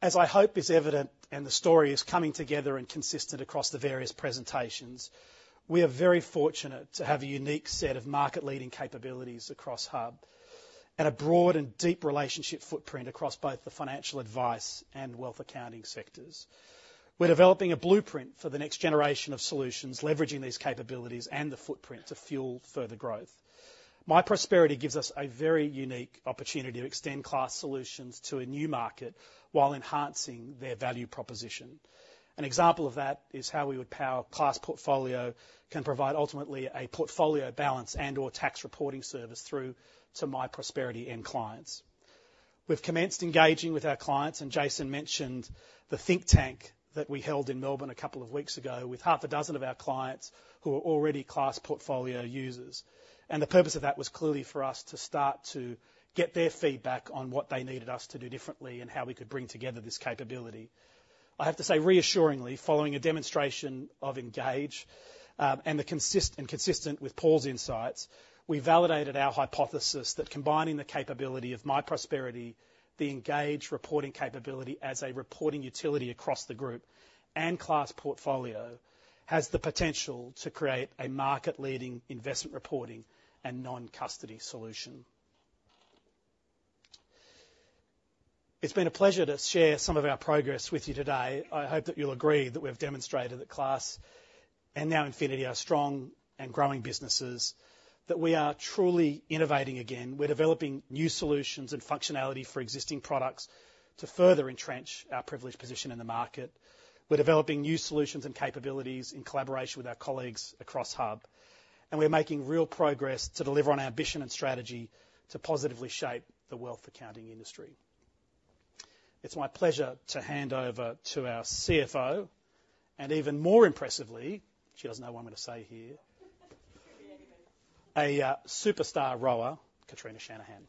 As I hope is evident and the story is coming together and consistent across the various presentations, we are very fortunate to have a unique set of market-leading capabilities across HUB and a broad and deep relationship footprint across both the financial advice and wealth accounting sectors. We're developing a blueprint for the next generation of solutions, leveraging these capabilities and the footprint to fuel further growth. myprosperity gives us a very unique opportunity to extend Class solutions to a new market while enhancing their value proposition. An example of that is how we would power Class Portfolio can provide ultimately a portfolio balance and/or tax reporting service through to myprosperity end clients. We've commenced engaging with our clients, and Jason mentioned the think tank that we held in Melbourne a couple of weeks ago with half a dozen of our clients who are already Class Portfolio users, and the purpose of that was clearly for us to start to get their feedback on what they needed us to do differently and how we could bring together this capability. I have to say, reassuringly, following a demonstration of Engage and consistent with Paul's insights, we validated our hypothesis that combining the capability of myprosperity, the Engage reporting capability as a reporting utility across the group and Class Portfolio has the potential to create a market-leading investment reporting and non-custody solution. It's been a pleasure to share some of our progress with you today. I hope that you'll agree that we've demonstrated that Class and NowInfinity are strong and growing businesses, that we are truly innovating again. We're developing new solutions and functionality for existing products to further entrench our privileged position in the market. We're developing new solutions and capabilities in collaboration with our colleagues across HUB. And we're making real progress to deliver on our ambition and strategy to positively shape the wealth accounting industry. It's my pleasure to hand over to our CFO, and even more impressively, she doesn't know what I'm going to say here, a superstar rower, Kitrina Shanahan.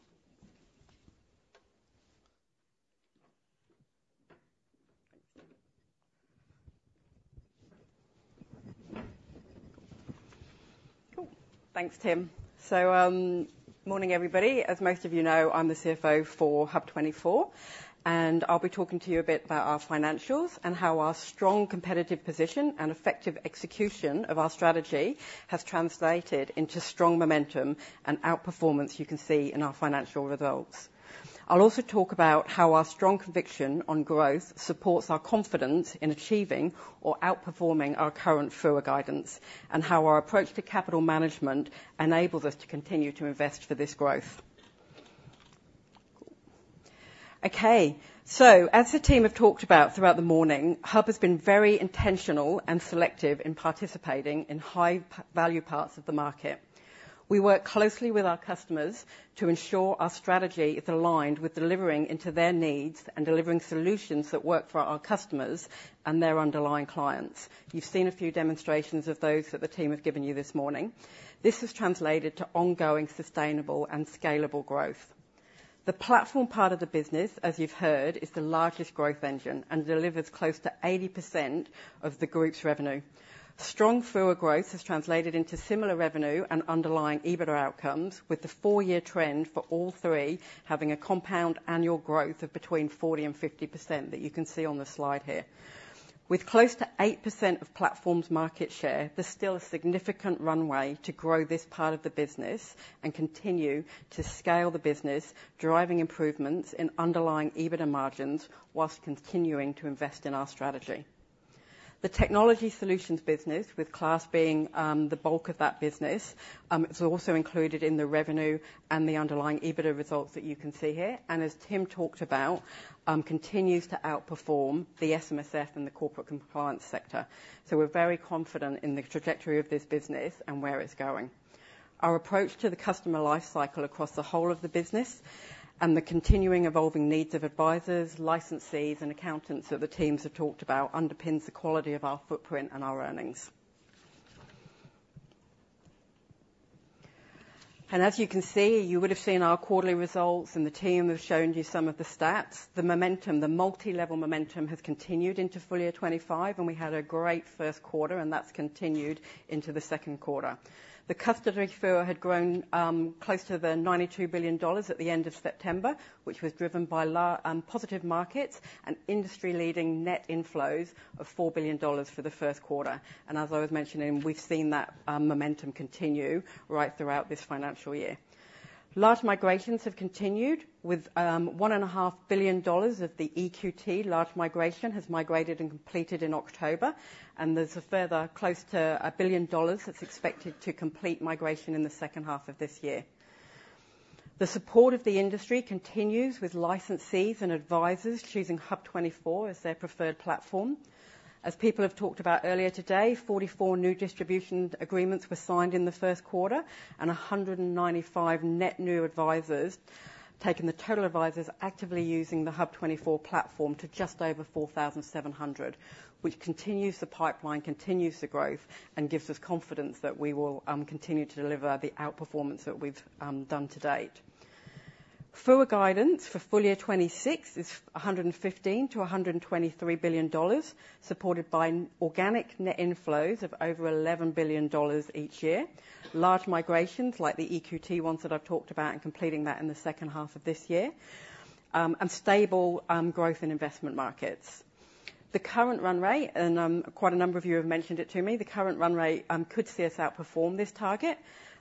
Cool. Thanks, Tim. So morning, everybody. As most of you know, I'm the CFO for HUB24, and I'll be talking to you a bit about our financials and how our strong competitive position and effective execution of our strategy has translated into strong momentum and outperformance you can see in our financial results. I'll also talk about how our strong conviction on growth supports our confidence in achieving or outperforming our current FUA guidance and how our approach to capital management enables us to continue to invest for this growth. Okay. So as the team have talked about throughout the morning, HUB has been very intentional and selective in participating in high-value parts of the market. We work closely with our customers to ensure our strategy is aligned with delivering into their needs and delivering solutions that work for our customers and their underlying clients. You've seen a few demonstrations of those that the team have given you this morning. This has translated to ongoing sustainable and scalable growth. The platform part of the business, as you've heard, is the largest growth engine and delivers close to 80% of the group's revenue. Strong FUA growth has translated into similar revenue and underlying EBITDA outcomes, with the four-year trend for all three having a compound annual growth of between 40% and 50% that you can see on the slide here. With close to 8% of platform's market share, there's still a significant runway to grow this part of the business and continue to scale the business, driving improvements in underlying EBITDA margins while continuing to invest in our strategy. The technology solutions business, with Class being the bulk of that business, is also included in the revenue and the underlying EBITDA results that you can see here, and as Tim talked about, continues to outperform the SMSF and the corporate compliance sector. So we're very confident in the trajectory of this business and where it's going. Our approach to the customer lifecycle across the whole of the business and the continuing evolving needs of advisors, licensees, and accountants that the teams have talked about underpins the quality of our footprint and our earnings. And as you can see, you would have seen our quarterly results, and the team have shown you some of the stats. The multilevel momentum has continued into full year 2025, and we had a great first quarter, and that's continued into the second quarter. The custody FUA had grown close to 92 billion dollars at the end of September, which was driven by positive markets and industry-leading net inflows of four billion dollars for the first quarter, and as I was mentioning, we've seen that momentum continue right throughout this financial year. Large migrations have continued with 1.5 billion dollars of the EQT large migration has migrated and completed in October, and there's a further close to 1 billion dollars that's expected to complete migration in the second half of this year. The support of the industry continues with licensees and advisors choosing HUB24 as their preferred platform. As people have talked about earlier today, 44 new distribution agreements were signed in the first quarter and 195 net new advisors taking the total advisors actively using the HUB24 platform to just over 4,700, which continues the pipeline, continues the growth, and gives us confidence that we will continue to deliver the outperformance that we've done to date. FUA guidance for full year 2026 is 115 billion-123 billion dollars, supported by organic net inflows of over 11 billion dollars each year, large migrations like the EQT ones that I've talked about and completing that in the second half of this year, and stable growth in investment markets. The current runway, and quite a number of you have mentioned it to me, the current runway could see us outperform this target.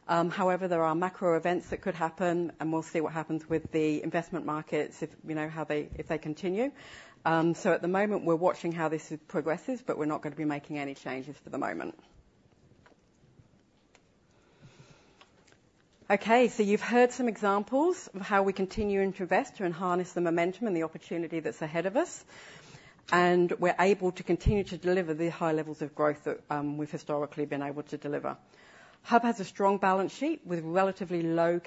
However, there are macro events that could happen, and we'll see what happens with the investment markets if they continue. So at the moment, we're watching how this progresses, but we're not going to be making any changes for the moment. Okay. So you've heard some examples of how we continue to invest to enhance the momentum and the opportunity that's ahead of us, and we're able to continue to deliver the high levels of growth that we've historically been able to deliver. HUB24 has a strong balance sheet with relatively low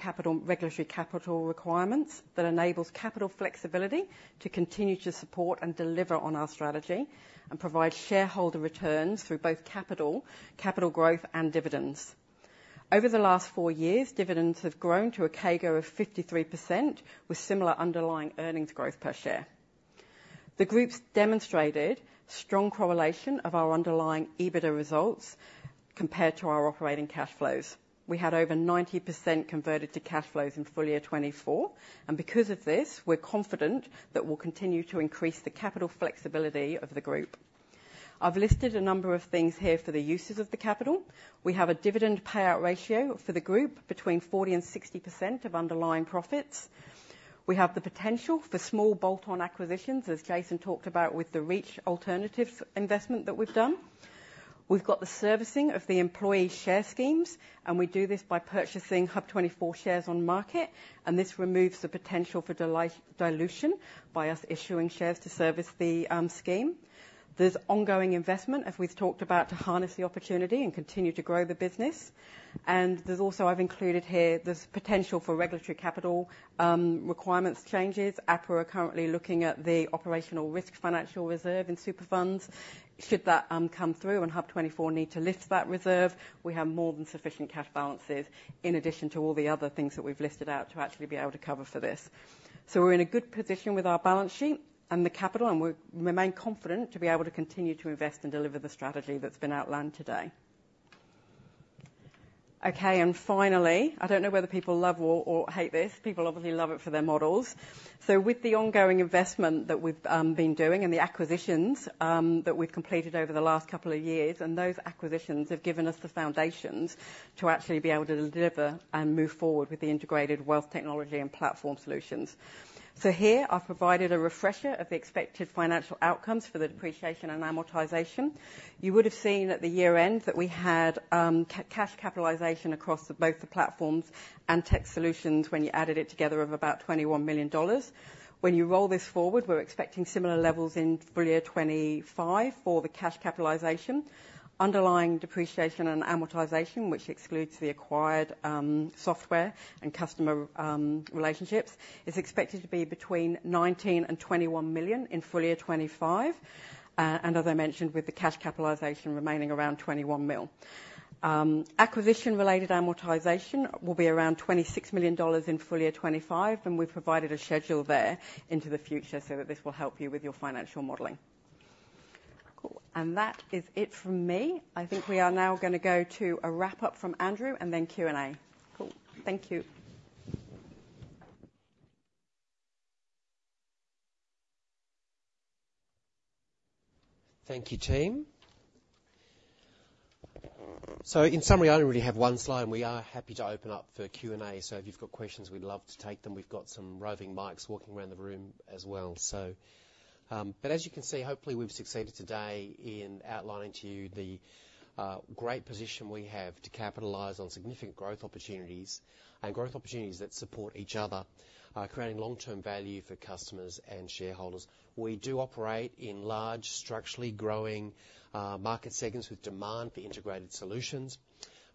regulatory capital requirements that enables capital flexibility to continue to support and deliver on our strategy and provide shareholder returns through both capital, capital growth, and dividends. Over the last four years, dividends have grown to a CAGR of 53% with similar underlying earnings growth per share. The group's demonstrated strong correlation of our underlying EBITDA results compared to our operating cash flows. We had over 90% converted to cash flows in full year 2024, and because of this, we're confident that we'll continue to increase the capital flexibility of the group. I've listed a number of things here for the uses of the capital. We have a dividend payout ratio for the group between 40% and 60% of underlying profits. We have the potential for small bolt-on acquisitions, as Jason talked about with the Reach Alternative Investments that we've done. We've got the servicing of the employee share schemes, and we do this by purchasing HUB24 shares on market, and this removes the potential for dilution by us issuing shares to service the scheme. There's ongoing investment, as we've talked about, to harness the opportunity and continue to grow the business. I've included here there's potential for regulatory capital requirements changes. APRA are currently looking at the operational risk financial reserve in super funds. Should that come through and HUB24 need to lift that reserve, we have more than sufficient cash balances in addition to all the other things that we've listed out to actually be able to cover for this. So we're in a good position with our balance sheet and the capital, and we remain confident to be able to continue to invest and deliver the strategy that's been outlined today. Okay, and finally, I don't know whether people love or hate this. People obviously love it for their models. So with the ongoing investment that we've been doing and the acquisitions that we've completed over the last couple of years, and those acquisitions have given us the foundations to actually be able to deliver and move forward with the integrated wealth technology and platform solutions. Here, I've provided a refresher of the expected financial outcomes for the depreciation and amortization. You would have seen at the year-end that we had cash capitalization across both the platforms and tech solutions when you added it together of about 21 million dollars. When you roll this forward, we're expecting similar levels in full year 2025 for the cash capitalization. Underlying depreciation and amortization, which excludes the acquired software and customer relationships, is expected to be between 19 million and 21 million in full year 2025. As I mentioned, with the cash capitalization remaining around 21 mil. Acquisition-related amortization will be around 26 million dollars in full year 2025, and we've provided a schedule there into the future so that this will help you with your financial modeling. Cool. That is it from me. I think we are now going to go to a wrap-up from Andrew and then Q&A. Cool. Thank you. Thank you, team. So in summary, I only really have one slide, and we are happy to open up for Q&A. So if you've got questions, we'd love to take them. We've got some roving mics walking around the room as well. But as you can see, hopefully, we've succeeded today in outlining to you the great position we have to capitalize on significant growth opportunities and growth opportunities that support each other, creating long-term value for customers and shareholders. We do operate in large, structurally growing market segments with demand for integrated solutions.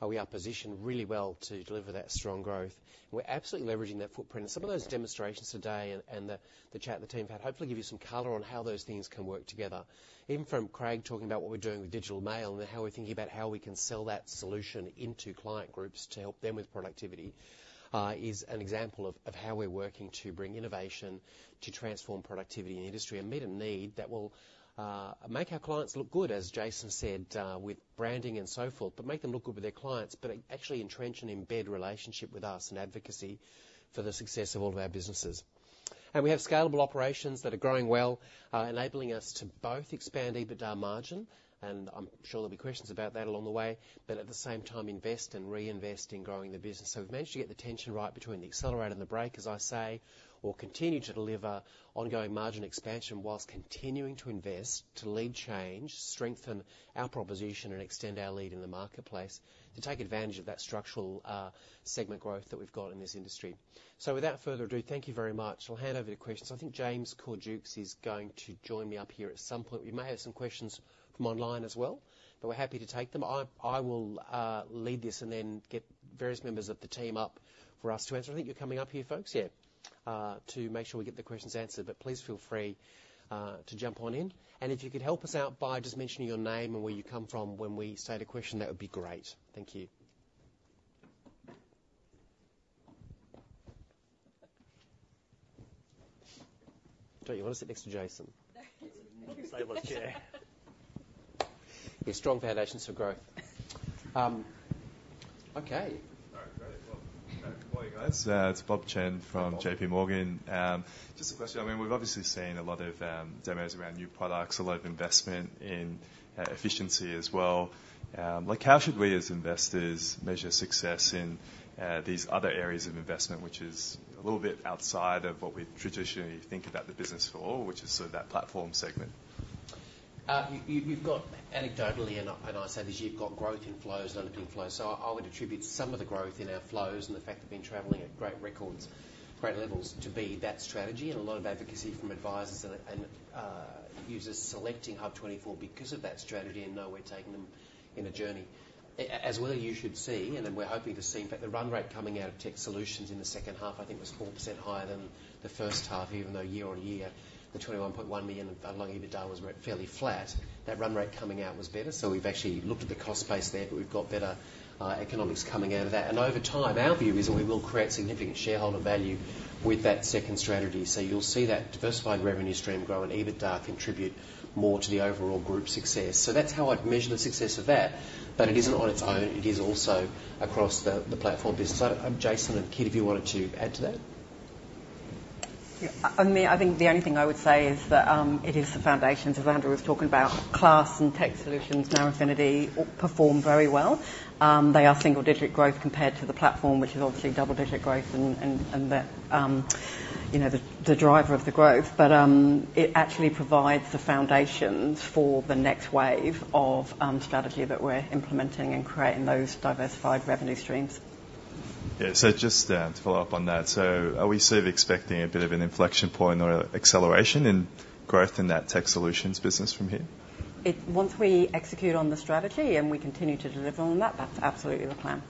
We are positioned really well to deliver that strong growth. We're absolutely leveraging that footprint. And some of those demonstrations today and the chat the team had hopefully give you some color on how those things can work together. Even from Craig talking about what we're doing with digital mail and how we're thinking about how we can sell that solution into client groups to help them with productivity is an example of how we're working to bring innovation to transform productivity in industry and meet a need that will make our clients look good, as Jason said, with branding and so forth, but make them look good with their clients, but actually entrench and embed relationship with us and advocacy for the success of all of our businesses. And we have scalable operations that are growing well, enabling us to both expand EBITDA margin, and I'm sure there'll be questions about that along the way, but at the same time, invest and reinvest in growing the business. So we've managed to get the tension right between the accelerator and the brake, as I say, or continue to deliver ongoing margin expansion whilst continuing to invest to lead change, strengthen our proposition, and extend our lead in the marketplace to take advantage of that structural segment growth that we've got in this industry. So without further ado, thank you very much. I'll hand over to questions. I think James Cordukes is going to join me up here at some point. We may have some questions from online as well, but we're happy to take them. I will lead this and then get various members of the team up for us to answer. I think you're coming up here, folks, yeah, to make sure we get the questions answered, but please feel free to jump on in. And if you could help us out by just mentioning your name and where you come from when we say the question, that would be great. Thank you. Don't you want to sit next to Jason? You can stay up on the chair. Yeah, strong foundations for growth. Okay. It's Bob Chen from J.P. Morgan. Just a question. I mean, we've obviously seen a lot of demos around new products, a lot of investment in efficiency as well. How should we, as investors, measure success in these other areas of investment, which is a little bit outside of what we traditionally think about the business for, which is sort of that platform segment? You've got anecdotally, and I say this, you've got growth in flows and inflows. So I would attribute some of the growth in our flows and the fact that we've been traveling at great records, great levels, to be that strategy and a lot of advocacy from advisors and users selecting HUB24 because of that strategy and now we're taking them on a journey. As well, you should see, and we're hoping to see, in fact, the run rate coming out of tech solutions in the second half, I think, was 4% higher than the first half, even though year on year, the 21.1 million in EBITDA was fairly flat. That run rate coming out was better. So we've actually looked at the cost base there, but we've got better economics coming out of that. And over time, our view is that we will create significant shareholder value with that second strategy. So you'll see that diversified revenue stream grow and EBITDA contribute more to the overall group success. So that's how I'd measure the success of that, but it isn't on its own. It is also across the platform business. Jason and Kit, if you wanted to add to that. I mean, I think the only thing I would say is that it is the foundations. As Andrew was talking about, Class and tech solutions now are finally performing very well. They are single-digit growth compared to the platform, which is obviously double-digit growth and the driver of the growth. But it actually provides the foundations for the next wave of strategy that we're implementing and creating those diversified revenue streams. Yeah. So just to follow up on that, so are we sort of expecting a bit of an inflection point or acceleration in growth in that tech solutions business from here? Once we execute on the strategy and we continue to deliver on that, that's absolutely the plan.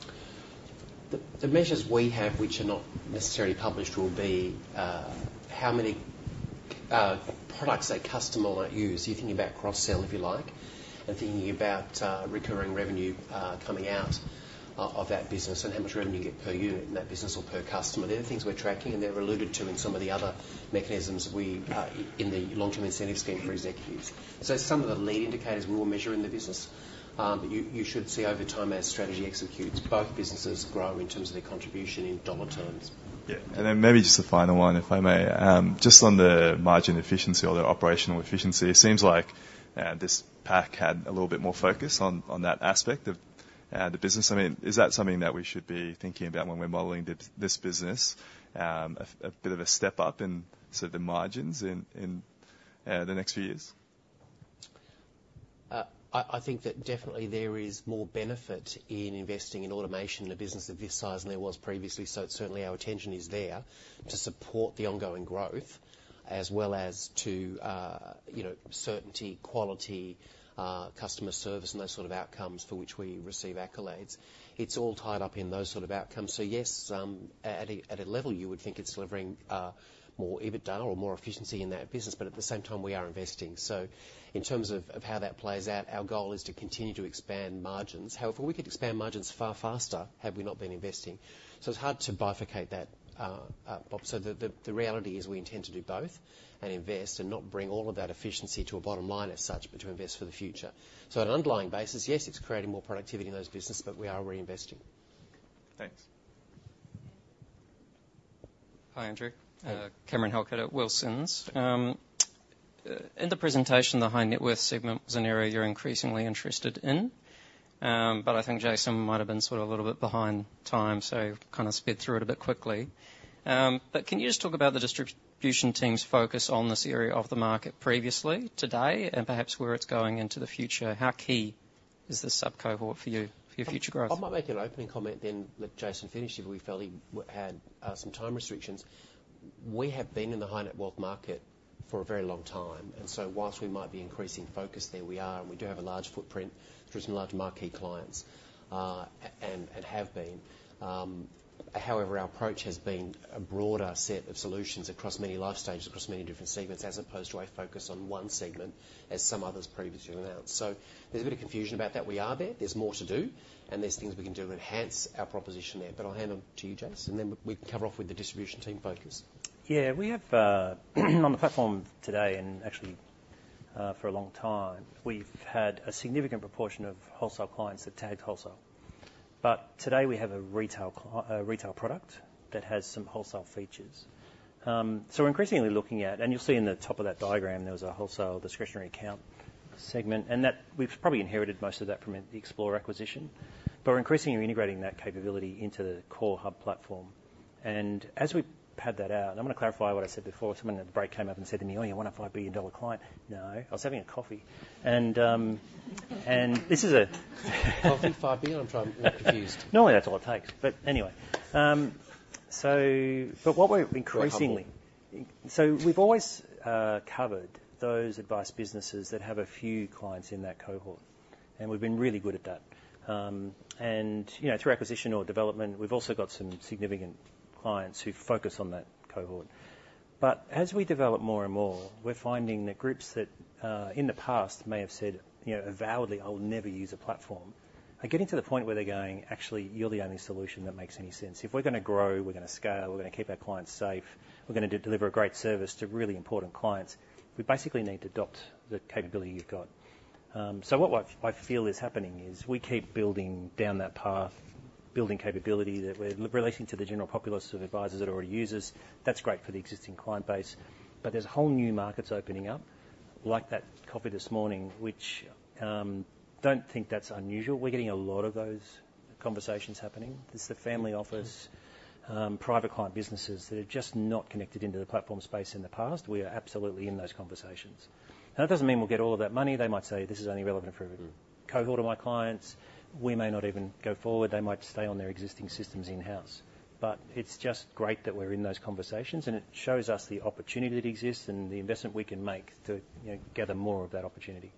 The measures we have, which are not necessarily published, will be how many products a customer might use. You're thinking about cross-sell, if you like, and thinking about recurring revenue coming out of that business and how much revenue you get per year in that business or per customer. They're the things we're tracking, and they're alluded to in some of the other mechanisms in the long-term incentive scheme for executives. So some of the lead indicators we will measure in the business, but you should see over time as strategy executes, both businesses grow in terms of their contribution in dollar terms. Yeah. And then maybe just a final one, if I may. Just on the margin efficiency or the operational efficiency, it seems like this pack had a little bit more focus on that aspect of the business. I mean, is that something that we should be thinking about when we're modeling this business, a bit of a step up in sort of the margins in the next few years? I think that definitely there is more benefit in investing in automation in a business of this size than there was previously. So certainly, our attention is there to support the ongoing growth as well as to certainty, quality, customer service, and those sort of outcomes for which we receive accolades. It's all tied up in those sort of outcomes. So yes, at a level, you would think it's delivering more EBITDA or more efficiency in that business, but at the same time, we are investing. So in terms of how that plays out, our goal is to continue to expand margins. However, we could expand margins far faster had we not been investing. So it's hard to bifurcate that, Bob. The reality is we intend to do both and invest and not bring all of that efficiency to a bottom line as such, but to invest for the future. On an underlying basis, yes, it's creating more productivity in those businesses, but we are reinvesting. Thanks. Hi, Andrew. Cameron Halkett at Wilsons. In the presentation, the high net worth segment was an area you're increasingly interested in, but I think Jason might have been sort of a little bit behind time, so kind of sped through it a bit quickly. But can you just talk about the distribution team's focus on this area of the market previously, today, and perhaps where it's going into the future? How key is this subcohort for you, for your future growth? I might make an opening comment, then let Jason finish if we felt he had some time restrictions. We have been in the high-net-worth market for a very long time. And so whilst we might be increasing focus there, we are, and we do have a large footprint through some large marquee clients and have been. However, our approach has been a broader set of solutions across many life stages, across many different segments, as opposed to a focus on one segment, as some others previously announced. So there's a bit of confusion about that. We are there. There's more to do, and there's things we can do to enhance our proposition there. But I'll hand it to you, Jason, and then we can cover off with the distribution team focus. Yeah. We have on the platform today, and actually for a long time, we've had a significant proportion of wholesale clients that tagged wholesale. But today, we have a retail product that has some wholesale features. So we're increasingly looking at, and you'll see in the top of that diagram, there was a wholesale discretionary account segment, and we've probably inherited most of that from the Xplore acquisition. But we're increasingly integrating that capability into the core HUB platform. And as we pad that out, and I'm going to clarify what I said before. Somebody at the break came up and said to me, "Oh, you're one of five billion-dollar clients." No, I was having a coffee. And this is a. Coffee, five billion? I'm trying to be confused. Normally, that's all it takes. But anyway. But what we're increasingly. Go ahead. So we've always covered those advice businesses that have a few clients in that cohort, and we've been really good at that. And through acquisition or development, we've also got some significant clients who focus on that cohort. But as we develop more and more, we're finding that groups that in the past may have said avowedly, "I will never use a platform," are getting to the point where they're going, "Actually, you're the only solution that makes any sense. If we're going to grow, we're going to scale, we're going to keep our clients safe, we're going to deliver a great service to really important clients, we basically need to adopt the capability you've got." So what I feel is happening is we keep building down that path, building capability that we're relating to the general populace of advisors that are already users. That's great for the existing client base. But there's a whole new markets opening up, like that coffee this morning, which I don't think that's unusual. We're getting a lot of those conversations happening. It's the family office, private client businesses that are just not connected into the platform space in the past. We are absolutely in those conversations. Now, that doesn't mean we'll get all of that money. They might say, "This is only relevant for a cohort of my clients." We may not even go forward. They might stay on their existing systems in-house. But it's just great that we're in those conversations, and it shows us the opportunity that exists and the investment we can make to gather more of that opportunity.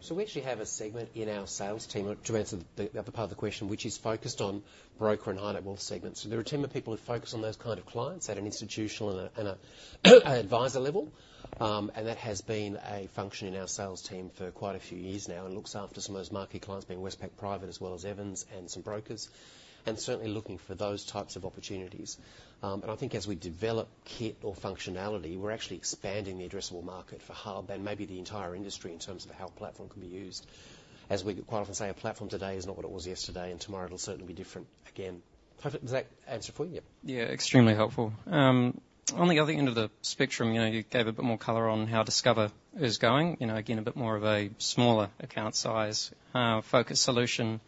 So we actually have a segment in our sales team, to answer the other part of the question, which is focused on broker and high-net-worth segments. So there are a team of people who focus on those kinds of clients at an institutional and an advisor level. And that has been a function in our sales team for quite a few years now and looks after some of those marquee clients, being Westpac Private as well as Evans and some brokers, and certainly looking for those types of opportunities. And I think as we develop kit or functionality, we're actually expanding the addressable market for hub and maybe the entire industry in terms of how a platform can be used. As we quite often say, a platform today is not what it was yesterday, and tomorrow it'll certainly be different again. Perfect. Was that answer for you? Yeah. Extremely helpful. On the other end of the spectrum, you gave a bit more color on how Discover is going. Again, a bit more of a smaller account size focus solution.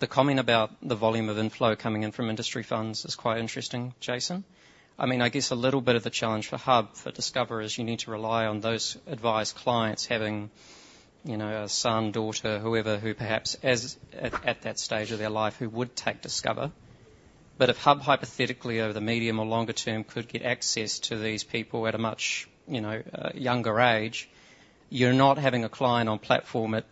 The comment about the volume of inflow coming in from industry funds is quite interesting, Jason. I mean, I guess a little bit of the challenge for HUB24 for Discover is you need to rely on those advice clients having a son, daughter, whoever, who perhaps at that stage of their life would take Discover. But if HUB24 hypothetically over the medium or longer term could get access to these people at a much younger age, you're not having a client on platform at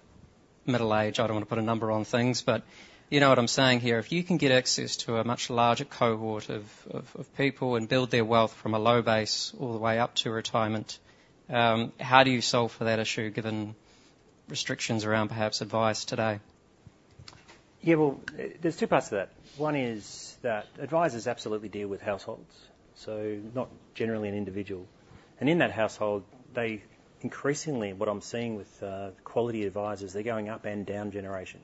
middle age. I don't want to put a number on things, but you know what I'm saying here. If you can get access to a much larger cohort of people and build their wealth from a low base all the way up to retirement, how do you solve for that issue given restrictions around perhaps advice today? Yeah. Well, there's two parts to that. One is that advisors absolutely deal with households, so not generally an individual, and in that household, they increasingly, what I'm seeing with quality advisors, they're going up and down generation,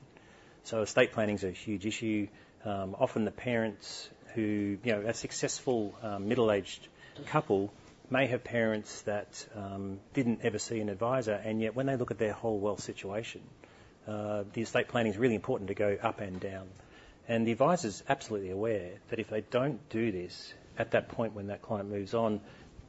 so estate planning is a huge issue. Often the parents who are a successful middle-aged couple may have parents that didn't ever see an advisor, and yet when they look at their whole wealth situation, the estate planning is really important to go up and down, and the advisor is absolutely aware that if they don't do this at that point when that client moves on,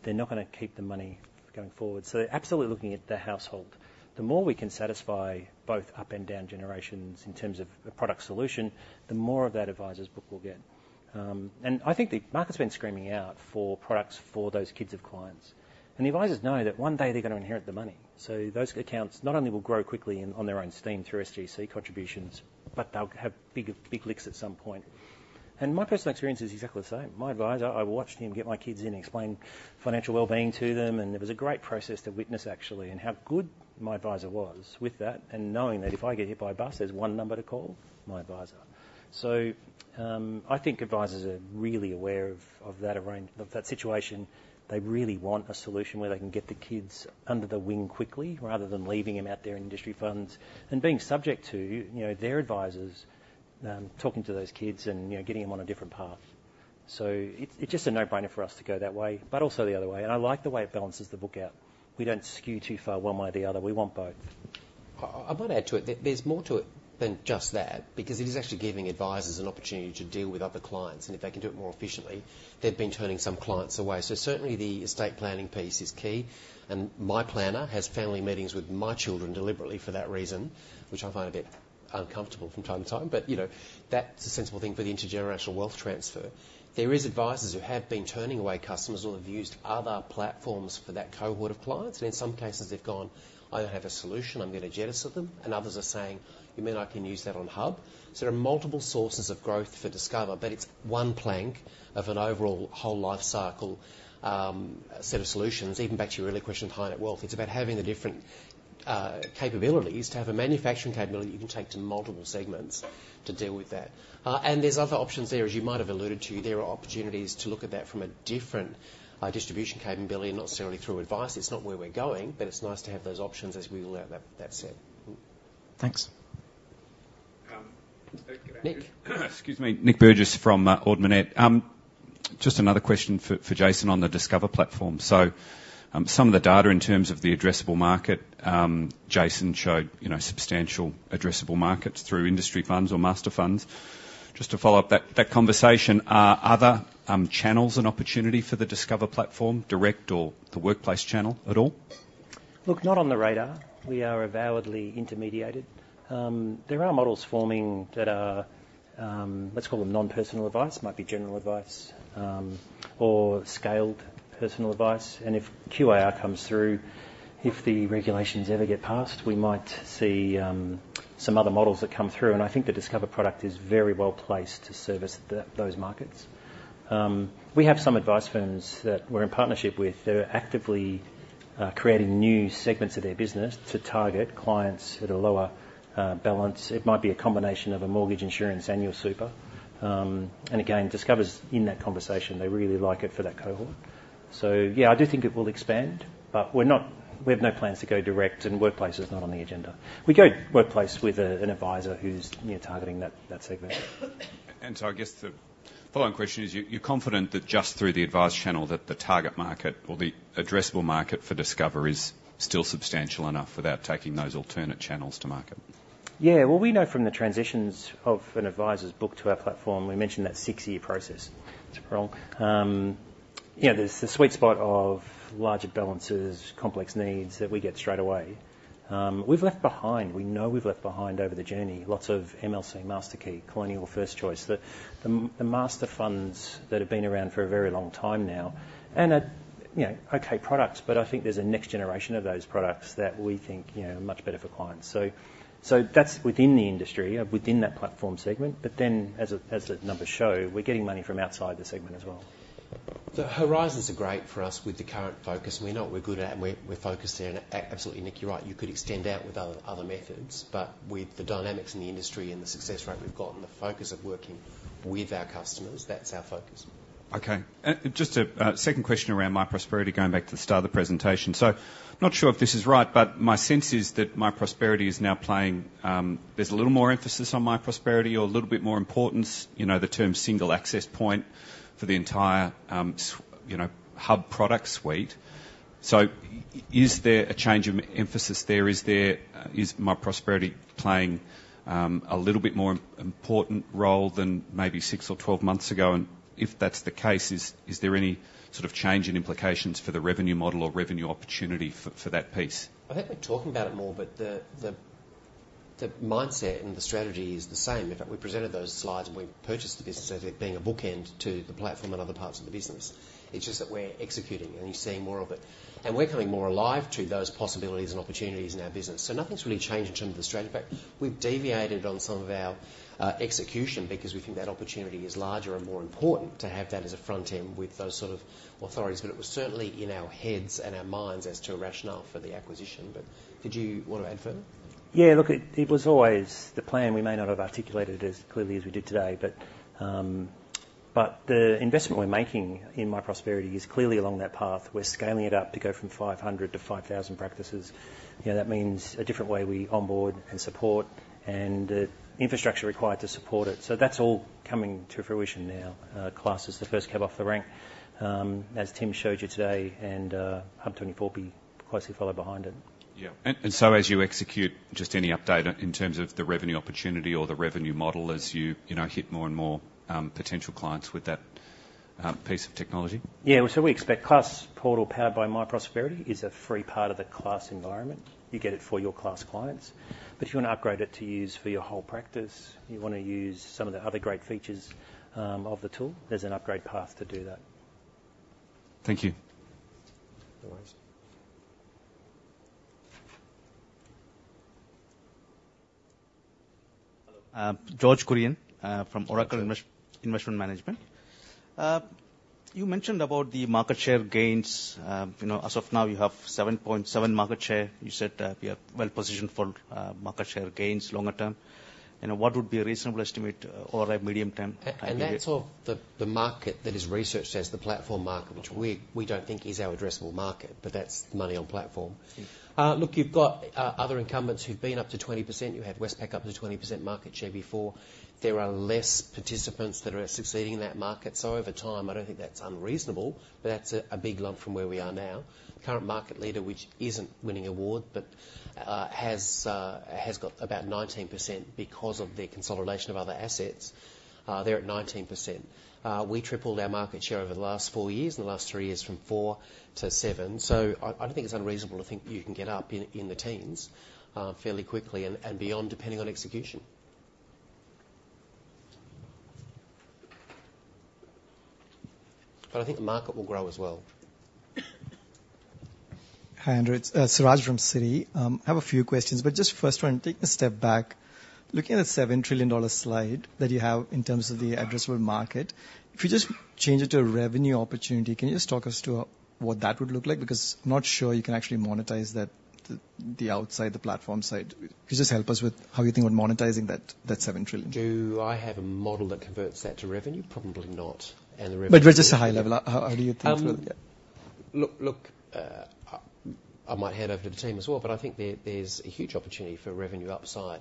they're not going to keep the money going forward, so they're absolutely looking at the household. The more we can satisfy both up and down generations in terms of a product solution, the more of that advisor's book we'll get. And I think the market's been screaming out for products for those kinds of clients. And the advisors know that one day they're going to inherit the money. So those accounts not only will grow quickly on their own steam through SGC contributions, but they'll have big licks at some point. And my personal experience is exactly the same. My advisor, I watched him get my kids in, explain financial well-being to them, and it was a great process to witness, actually, and how good my advisor was with that and knowing that if I get hit by a bus, there's one number to call, my advisor. So I think advisors are really aware of that situation. They really want a solution where they can get the kids under the wing quickly rather than leaving them out there in industry funds and being subject to their advisors talking to those kids and getting them on a different path. So it's just a no-brainer for us to go that way, but also the other way. And I like the way it balances the book out. We don't skew too far one way or the other. We want both. I might add to it that there's more to it than just that because it is actually giving advisors an opportunity to deal with other clients. And if they can do it more efficiently, they've been turning some clients away. So certainly, the estate planning piece is key. My planner has family meetings with my children deliberately for that reason, which I find a bit uncomfortable from time to time. But that's a sensible thing for the intergenerational wealth transfer. There are advisors who have been turning away customers or have used other platforms for that cohort of clients. And in some cases, they've gone, "I don't have a solution. I'm going to jettison them." And others are saying, "You mean I can use that on hub?" So there are multiple sources of growth for Discover, but it's one plank of an overall whole life cycle set of solutions, even back to your earlier question of high-net-worth. It's about having the different capabilities to have a manufacturing capability you can take to multiple segments to deal with that. And there's other options there, as you might have alluded to. There are opportunities to look at that from a different distribution capability, not necessarily through advice. It's not where we're going, but it's nice to have those options as well, that said. Thanks. Nick. Excuse me. Nick Burgess from Ord Minnett. Just another question for Jason on the Discover platform. So some of the data in terms of the addressable market, Jason showed substantial addressable markets through industry funds or master funds. Just to follow up that conversation, are other channels an opportunity for the Discover platform, direct or the workplace channel at all? Look, not on the radar. We are avowedly intermediated. There are models forming that are, let's call them non-personal advice, might be general advice, or scaled personal advice. And if QAR comes through, if the regulations ever get passed, we might see some other models that come through. And I think the Discover product is very well placed to service those markets. We have some advice firms that we're in partnership with that are actively creating new segments of their business to target clients at a lower balance. It might be a combination of a mortgage insurance annual super. And again, Discover's in that conversation. They really like it for that cohort. So yeah, I do think it will expand, but we have no plans to go direct, and workplace is not on the agenda. We go workplace with an advisor who's targeting that segment. And so I guess the following question is, you're confident that just through the advice channel that the target market or the addressable market for Discover is still substantial enough without taking those alternate channels to market? Yeah. Well, we know from the transitions of an advisor's book to our platform, we mentioned that six-year process. It's wrong. Yeah, there's the sweet spot of larger balances, complex needs that we get straight away. We've left behind. We know we've left behind over the journey lots of MLC, MasterKey, Colonial FirstChoice, the master funds that have been around for a very long time now and are okay products. But I think there's a next generation of those products that we think are much better for clients. So that's within the industry, within that platform segment. But then, as the numbers show, we're getting money from outside the segment as well. The horizons are great for us with the current focus. We know what we're good at, and we're focused there, and absolutely, Nick, you're right. You could extend out with other methods, but with the dynamics in the industry and the success rate we've got and the focus of working with our customers, that's our focus. Okay. Just a second question around myprosperity going back to the start of the presentation. So not sure if this is right, but my sense is that myprosperity is now playing. There's a little more emphasis on myprosperity or a little bit more importance, the term single access point for the entire HUB24 product suite. So is there a change of emphasis there? Is myprosperity playing a little bit more important role than maybe six or twelve months ago? And if that's the case, is there any sort of change in implications for the revenue model or revenue opportunity for that piece? I think we're talking about it more, but the mindset and the strategy is the same. In fact, we presented those slides, and we purchased the business as it being a bookend to the platform and other parts of the business. It's just that we're executing, and you're seeing more of it, and we're coming more alive to those possibilities and opportunities in our business, so nothing's really changed in terms of the strategy. In fact, we've deviated on some of our execution because we think that opportunity is larger and more important to have that as a front end with those sort of authorities, but it was certainly in our heads and our minds as to a rationale for the acquisition, but did you want to add further? Yeah. Look, it was always the plan. We may not have articulated it as clearly as we did today. But the investment we're making in myprosperity is clearly along that path. We're scaling it up to go from 500 to 5,000 practices. That means a different way we onboard and support and the infrastructure required to support it. So that's all coming to fruition now. Class as the first cab off the rank, as Tim showed you today, and HUB24 be closely followed behind it. Yeah. And so as you execute, just any update in terms of the revenue opportunity or the revenue model as you hit more and more potential clients with that piece of technology? Yeah. So we expect Class Portal powered by myprosperity is a free part of the Class environment. You get it for your Class clients. But if you want to upgrade it to use for your whole practice, you want to use some of the other great features of the tool, there's an upgrade path to do that. Thank you. No worries. Hello. George Kurian from Oracle Investment Management. You mentioned about the market share gains. As of now, you have 7.7% market share. You said you are well positioned for market share gains longer term. What would be a reasonable estimate or a medium term? That's of the market that is researched as the platform market, which we don't think is our addressable market, but that's money on platform. Look, you've got other incumbents who've been up to 20%. You had Westpac up to 20% market share before. There are less participants that are succeeding in that market. Over time, I don't think that's unreasonable, but that's a big lump from where we are now. Current market leader, which isn't winning awards but has got about 19% because of their consolidation of other assets, they're at 19%. We tripled our market share over the last four years and the last three years from 4%-7%. I don't think it's unreasonable to think you can get up in the teens fairly quickly and beyond depending on execution. I think the market will grow as well. Hi, Andrew. It's Siraj from Citi. I have a few questions, but just first, I want to take a step back. Looking at the AUD 7 trillion slide that you have in terms of the addressable market, if you just change it to a revenue opportunity, can you just talk us to what that would look like? Because I'm not sure you can actually monetize that the outside, the platform side. Could you just help us with how you think about monetizing that 7 trillion? Do I have a model that converts that to revenue? Probably not. And the revenue. But we're just a high level. How do you think? Look, I might head over to the team as well, but I think there's a huge opportunity for revenue upside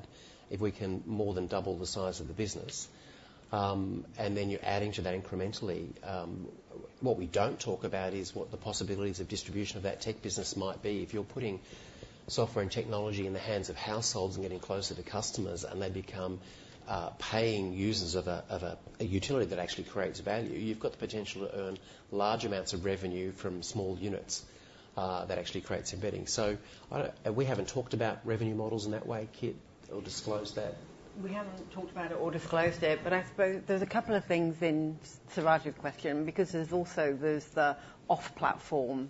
if we can more than double the size of the business. And then you're adding to that incrementally. What we don't talk about is what the possibilities of distribution of that tech business might be. If you're putting software and technology in the hands of households and getting closer to customers, and they become paying users of a utility that actually creates value, you've got the potential to earn large amounts of revenue from small units that actually creates embedding. So we haven't talked about revenue models in that way, Kit, or disclosed that. We haven't talked about it or disclosed it, but I suppose there's a couple of things in Suraj's question because there's also the off-platform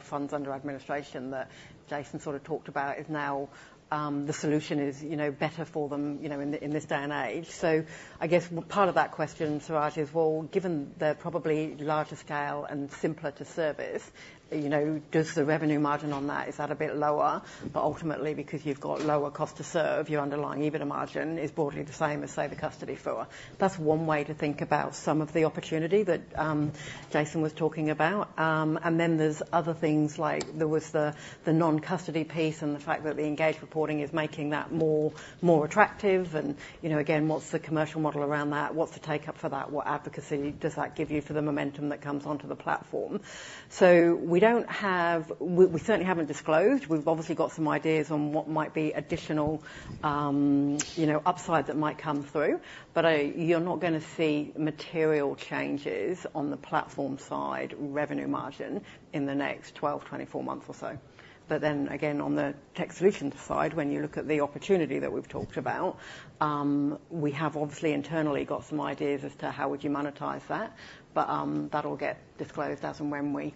funds under administration that Jason sort of talked about is now the solution is better for them in this day and age. So I guess part of that question, Suraj, is, well, given they're probably larger scale and simpler to service, does the revenue margin on that, is that a bit lower? But ultimately, because you've got lower cost to serve, your underlying EBITDA margin is broadly the same as, say, the custody fee. That's one way to think about some of the opportunity that Jason was talking about. And then there's other things like there was the non-custody piece and the fact that the Engage reporting is making that more attractive. And again, what's the commercial model around that? What's the take-up for that? What advocacy does that give you for the momentum that comes onto the platform? So we certainly haven't disclosed. We've obviously got some ideas on what might be additional upside that might come through, but you're not going to see material changes on the platform side revenue margin in the next 12-24 months or so. But then again, on the tech solution side, when you look at the opportunity that we've talked about, we have obviously internally got some ideas as to how would you monetize that, but that'll get disclosed as and when we.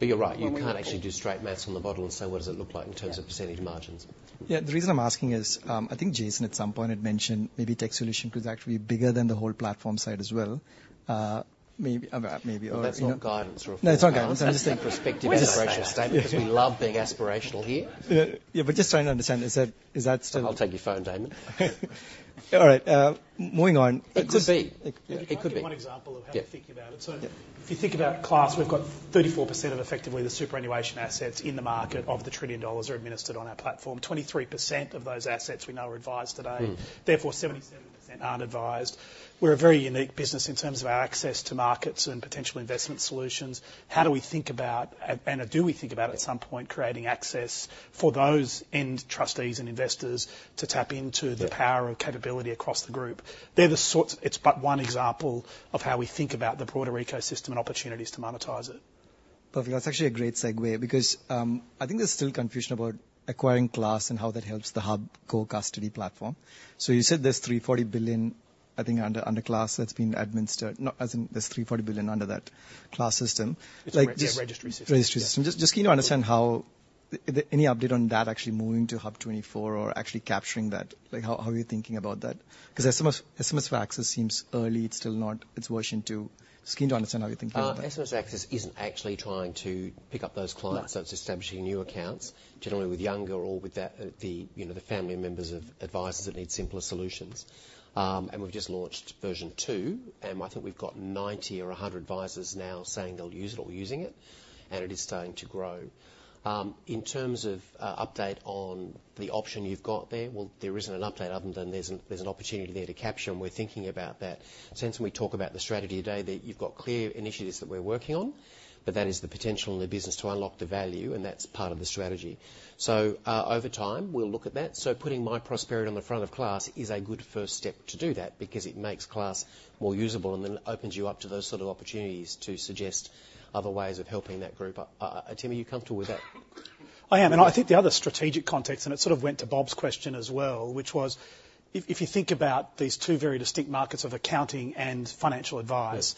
But you're right. You can't actually do straight math on the bottom line and say, "What does it look like in terms of percentage margins? Yeah. The reason I'm asking is I think Jason at some point had mentioned maybe tech solution could actually be bigger than the whole platform side as well. Maybe. But that's not guidance or a forecast. No, it's not guidance. I'm just saying perspective is a great show statement because we love being aspirational here. Yeah. But just trying to understand, is that still? I'll take your phone, Damon. All right. Moving on. It could be. It could be. I'll give you one example of how to think about it. So if you think about Class, we've got 34% of effectively the superannuation assets in the market of the trillion dollars are administered on our platform. 23% of those assets we know are advised today. Therefore, 77% aren't advised. We're a very unique business in terms of our access to markets and potential investment solutions. How do we think about, and do we think about at some point, creating access for those end trustees and investors to tap into the power of capability across the group? It's but one example of how we think about the broader ecosystem and opportunities to monetize it. Lovely. That's actually a great segue because I think there's still confusion about acquiring Class and how that helps the HUB core custody platform. So you said there's 340 billion, I think, under Class that's been administered. No, as in there's 340 billion under that Class system. It's like a registry system. Registry system. Just keen to understand how any update on that actually moving to HUB24 or actually capturing that? How are you thinking about that? Because SMSF Access seems early. It's still not its version two. Just keen to understand how you're thinking about that. SMSF Access isn't actually trying to pick up those clients, so it's establishing new accounts, generally with younger or with the family members of advisors that need simpler solutions, and we've just launched version two, and I think we've got 90 or 100 advisors now saying they'll use it or using it, and it is starting to grow. In terms of update on the option you've got there, well, there isn't an update other than there's an opportunity there to capture, and we're thinking about that. Since we talk about the strategy today, that you've got clear initiatives that we're working on, but that is the potential in the business to unlock the value, and that's part of the strategy, so over time, we'll look at that. So putting myprosperity on the front of Class is a good first step to do that because it makes Class more usable and then opens you up to those sort of opportunities to suggest other ways of helping that group. Tim, are you comfortable with that? I am. And I think the other strategic context, and it sort of went to Bob's question as well, which was if you think about these two very distinct markets of accounting and financial advice,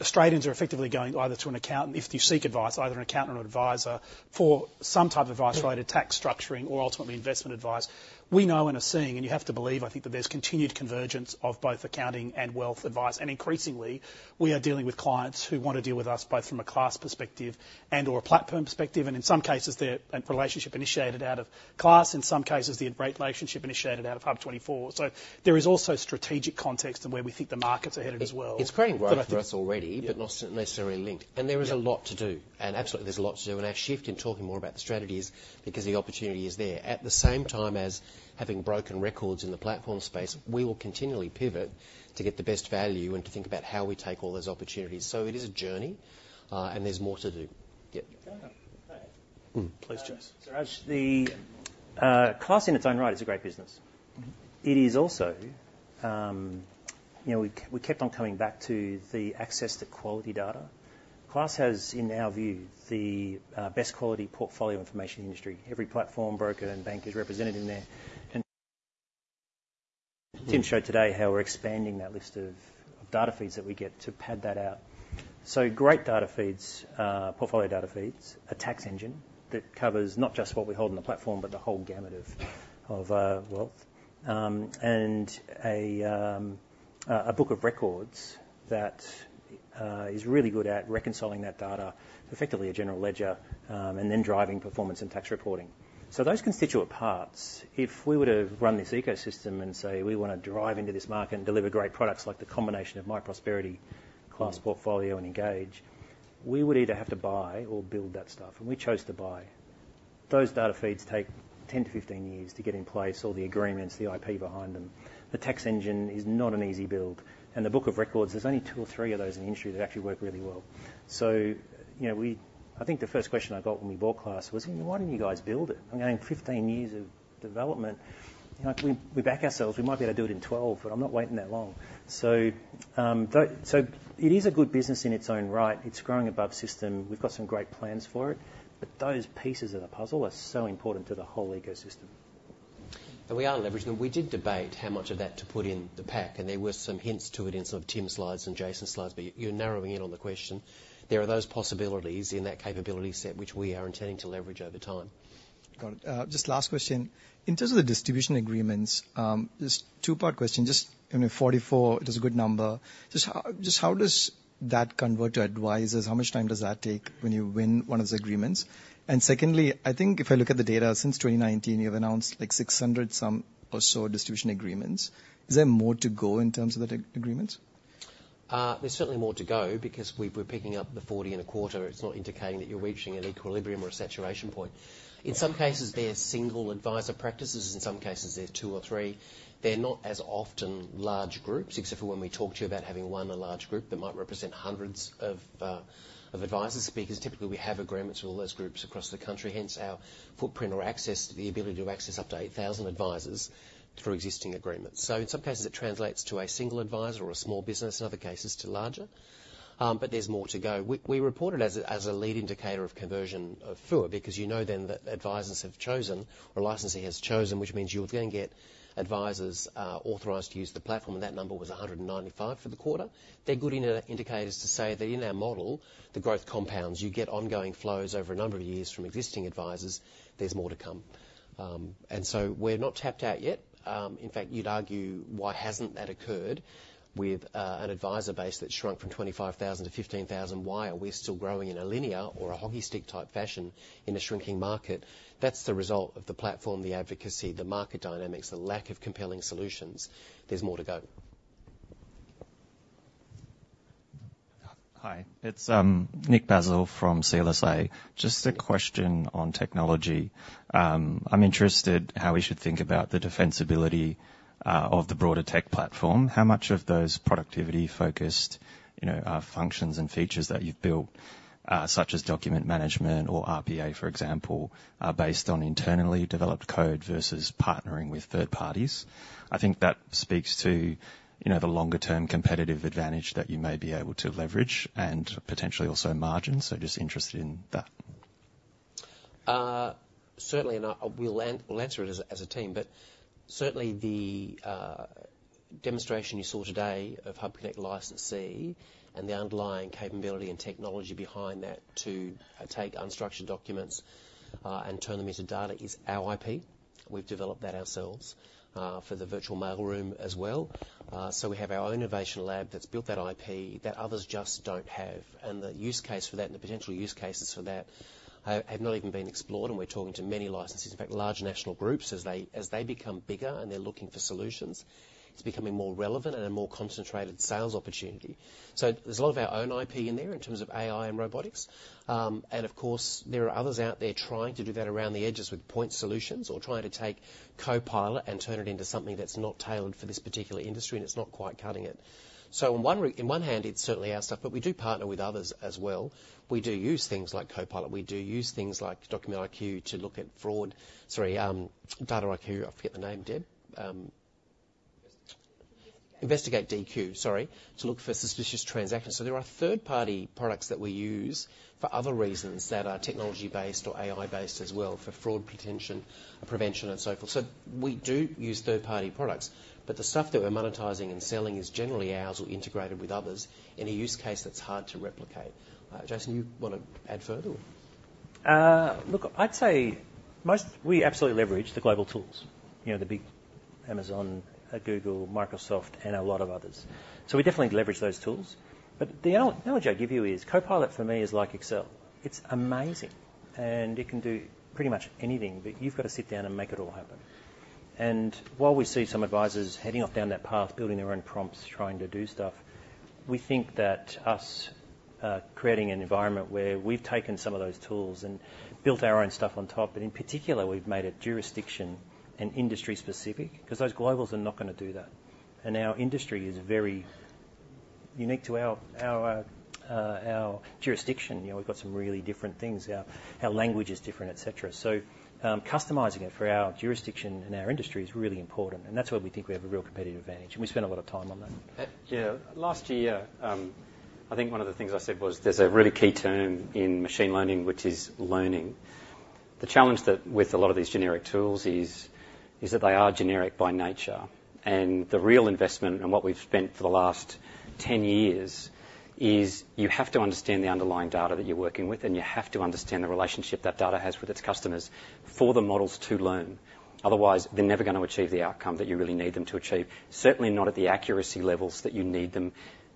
Australians are effectively going either to an accountant, if you seek advice, either an accountant or an advisor for some type of advice related to tax structuring or ultimately investment advice. We know and are seeing, and you have to believe, I think, that there's continued convergence of both accounting and wealth advice. And increasingly, we are dealing with clients who want to deal with us both from a Class perspective and/or a platform perspective. And in some cases, the relationship initiated out of Class. In some cases, the relationship initiated out of HUB24. So there is also strategic context and where we think the market's ahead of it as well. It's creating growth for us already, but not necessarily linked. And there is a lot to do. And absolutely, there's a lot to do. And our shift in talking more about the strategy is because the opportunity is there. At the same time as having broken records in the platform space, we will continually pivot to get the best value and to think about how we take all those opportunities. So it is a journey, and there's more to do. Yeah. Please, Jason. Suraj, the Class in its own right is a great business. It is also we kept on coming back to the access to quality data. Class has, in our view, the best quality portfolio information in the industry. Every platform, broker, and bank is represented in there. Tim showed today how we're expanding that list of data feeds that we get to pad that out. Great data feeds, portfolio data feeds, a tax engine that covers not just what we hold on the platform, but the whole gamut of wealth. A book of records that is really good at reconciling that data, effectively a general ledger, and then driving performance and tax reporting. So those constituent parts, if we were to run this ecosystem and say, "We want to drive into this market and deliver great products like the combination of myprosperity, Class Portfolio, and Engage," we would either have to buy or build that stuff. And we chose to buy. Those data feeds take 10 to 15 years to get in place or the agreements, the IP behind them. The tax engine is not an easy build. And the book of records, there's only two or three of those in the industry that actually work really well. So I think the first question I got when we bought Class was, "Why didn't you guys build it?" I mean, 15 years of development. We back ourselves. We might be able to do it in 12, but I'm not waiting that long. So it is a good business in its own right. It's growing above system. We've got some great plans for it, but those pieces of the puzzle are so important to the whole ecosystem, and we are leveraging. We did debate how much of that to put in the pack, and there were some hints to it in some of Tim's slides and Jason's slides, but you're narrowing in on the question. There are those possibilities in that capability set which we are intending to leverage over time. Got it. Just last question. In terms of the distribution agreements, just two-part question. Just 44, it was a good number. Just how does that convert to advisors? How much time does that take when you win one of those agreements? And secondly, I think if I look at the data, since 2019, you've announced 600-some or so distribution agreements. Is there more to go in terms of the agreements? There's certainly more to go because we're picking up the 40.25. It's not indicating that you're reaching an equilibrium or a saturation point. In some cases, they're single advisor practices. In some cases, there's two or three. They're not as often large groups, except for when we talk to you about having one large group that might represent hundreds of advisors. Typically, we have agreements with all those groups across the country. Hence, our footprint or access, the ability to access up to 8,000 advisors through existing agreements. So in some cases, it translates to a single advisor or a small business. In other cases, to larger. But there's more to go. We reported as a lead indicator of conversion of FUA because you know then that advisors have chosen or licensing has chosen, which means you're going to get advisors authorized to use the platform. That number was 195 for the quarter. They're good indicators to say that in our model, the growth compounds. You get ongoing flows over a number of years from existing advisors. There's more to come. And so we're not tapped out yet. In fact, you'd argue, why hasn't that occurred with an advisor base that shrunk from 25,000 to 15,000? Why are we still growing in a linear or a hockey stick-type fashion in a shrinking market? That's the result of the platform, the advocacy, the market dynamics, the lack of compelling solutions. There's more to go. Hi. It's Nick Basile from CLSA. Just a question on technology. I'm interested in how we should think about the defensibility of the broader tech platform. How much of those productivity-focused functions and features that you've built, such as document management or RPA, for example, are based on internally developed code versus partnering with third parties? I think that speaks to the longer-term competitive advantage that you may be able to leverage and potentially also margin. So just interested in that. Certainly, and we'll answer it as a team, but certainly the demonstration you saw today of HUBConnect Licensee and the underlying capability and technology behind that to take unstructured documents and turn them into data is our IP. We've developed that ourselves for the Virtual Mailroom as well. So we have our own innovation lab that's built that IP that others just don't have. And the use case for that and the potential use cases for that have not even been explored. And we're talking to many licensees, in fact, large national groups as they become bigger and they're looking for solutions. It's becoming more relevant and a more concentrated sales opportunity. So there's a lot of our own IP in there in terms of AI and robotics. Of course, there are others out there trying to do that around the edges with point solutions or trying to take Copilot and turn it into something that's not tailored for this particular industry, and it's not quite cutting it. On one hand, it's certainly our stuff, but we do partner with others as well. We do use things like Copilot. We do use things like Document IQ to look at fraud. Sorry, Data IQ, I forget the name. Investigate DQ, sorry. To look for suspicious transactions. So there are third-party products that we use for other reasons that are technology-based or AI-based as well for fraud prevention and so forth. So we do use third-party products, but the stuff that we're monetizing and selling is generally ours or integrated with others in a use case that's hard to replicate. Jason, you want to add further? Look, I'd say we absolutely leverage the global tools, the big Amazon, Google, Microsoft, and a lot of others. So we definitely leverage those tools. But the analogy I give you is Copilot for me is like Excel. It's amazing, and it can do pretty much anything, but you've got to sit down and make it all happen. While we see some advisors heading off down that path, building their own prompts, trying to do stuff, we think that us creating an environment where we've taken some of those tools and built our own stuff on top, but in particular, we've made it jurisdiction and industry-specific because those globals are not going to do that. And our industry is very unique to our jurisdiction. We've got some really different things. Our language is different, etc. So customizing it for our jurisdiction and our industry is really important. And that's where we think we have a real competitive advantage. And we spend a lot of time on that. Yeah. Last year, I think one of the things I said was there's a really key term in machine learning, which is learning. The challenge with a lot of these generic tools is that they are generic by nature. And the real investment and what we've spent for the last 10 years is you have to understand the underlying data that you're working with, and you have to understand the relationship that data has with its customers for the models to learn. Otherwise, they're never going to achieve the outcome that you really need them to achieve, certainly not at the accuracy levels that you need them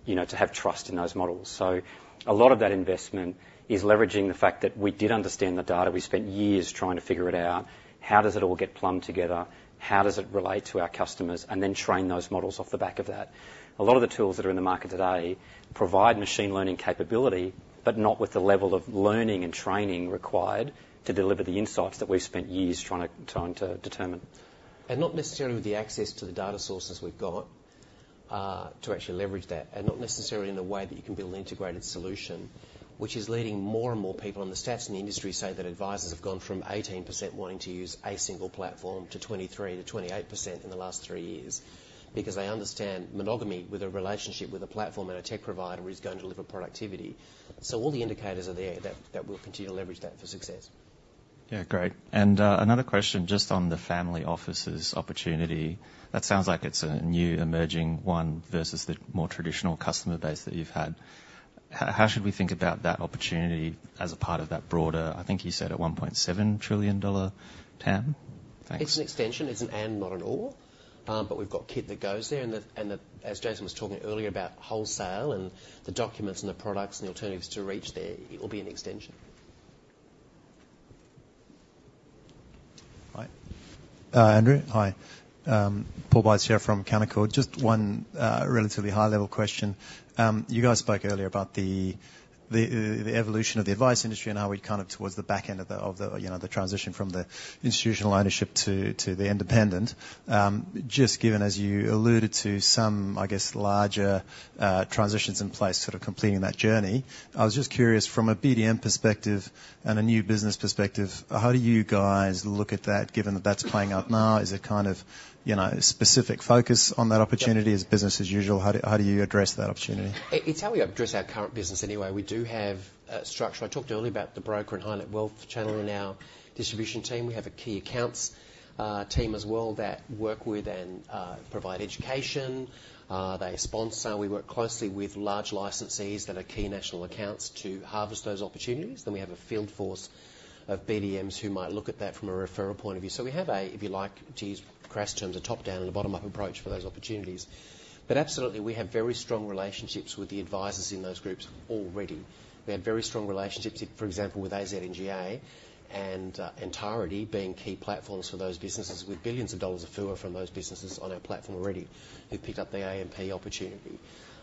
to have trust in those models. So a lot of that investment is leveraging the fact that we did understand the data. We spent years trying to figure it out. How does it all get plumbed together? How does it relate to our customers? And then train those models off the back of that. A lot of the tools that are in the market today provide machine learning capability, but not with the level of learning and training required to deliver the insights that we've spent years trying to determine. And not necessarily with the access to the data sources we've got to actually leverage that, and not necessarily in a way that you can build an integrated solution, which is leading more and more people in the stats in the industry say that advisors have gone from 18% wanting to use a single platform to 23%-28% in the last three years because they understand monogamy with a relationship with a platform and a tech provider is going to deliver productivity. So all the indicators are there that we'll continue to leverage that for success. Yeah, great. And another question just on the family offices opportunity. That sounds like it's a new emerging one versus the more traditional customer base that you've had. How should we think about that opportunity as a part of that broader? I think you said a 1.7 trillion dollar TAM. It's an extension. It's an and, not an or. But we've got kit that goes there. And as Jason was talking earlier about wholesale and the documents and the products and the alternatives to reach there, it will be an extension. Hi. Andrew, hi. Paul Buys here from Canaccord. Just one relatively high-level question. You guys spoke earlier about the evolution of the advice industry and how we kind of towards the back end of the transition from the institutional ownership to the independent. Just given, as you alluded to, some, I guess, larger transitions in place sort of completing that journey, I was just curious from a BDM perspective and a new business perspective, how do you guys look at that given that that's playing out now? Is it kind of a specific focus on that opportunity as business as usual? How do you address that opportunity? It's how we address our current business anyway. We do have structure. I talked earlier about the broker and high-net-worth channel in our distribution team. We have a key accounts team as well that work with and provide education. They sponsor. We work closely with large licensees that are key national accounts to harvest those opportunities. Then we have a field force of BDMs who might look at that from a referral point of view. So we have a, if you like to use crass terms, a top-down and a bottom-up approach for those opportunities. But absolutely, we have very strong relationships with the advisors in those groups already. We have very strong relationships, for example, with AZ NGA and Entireti being key platforms for those businesses with billions of dollars of FUA from those businesses on our platform already who've picked up the AMP opportunity.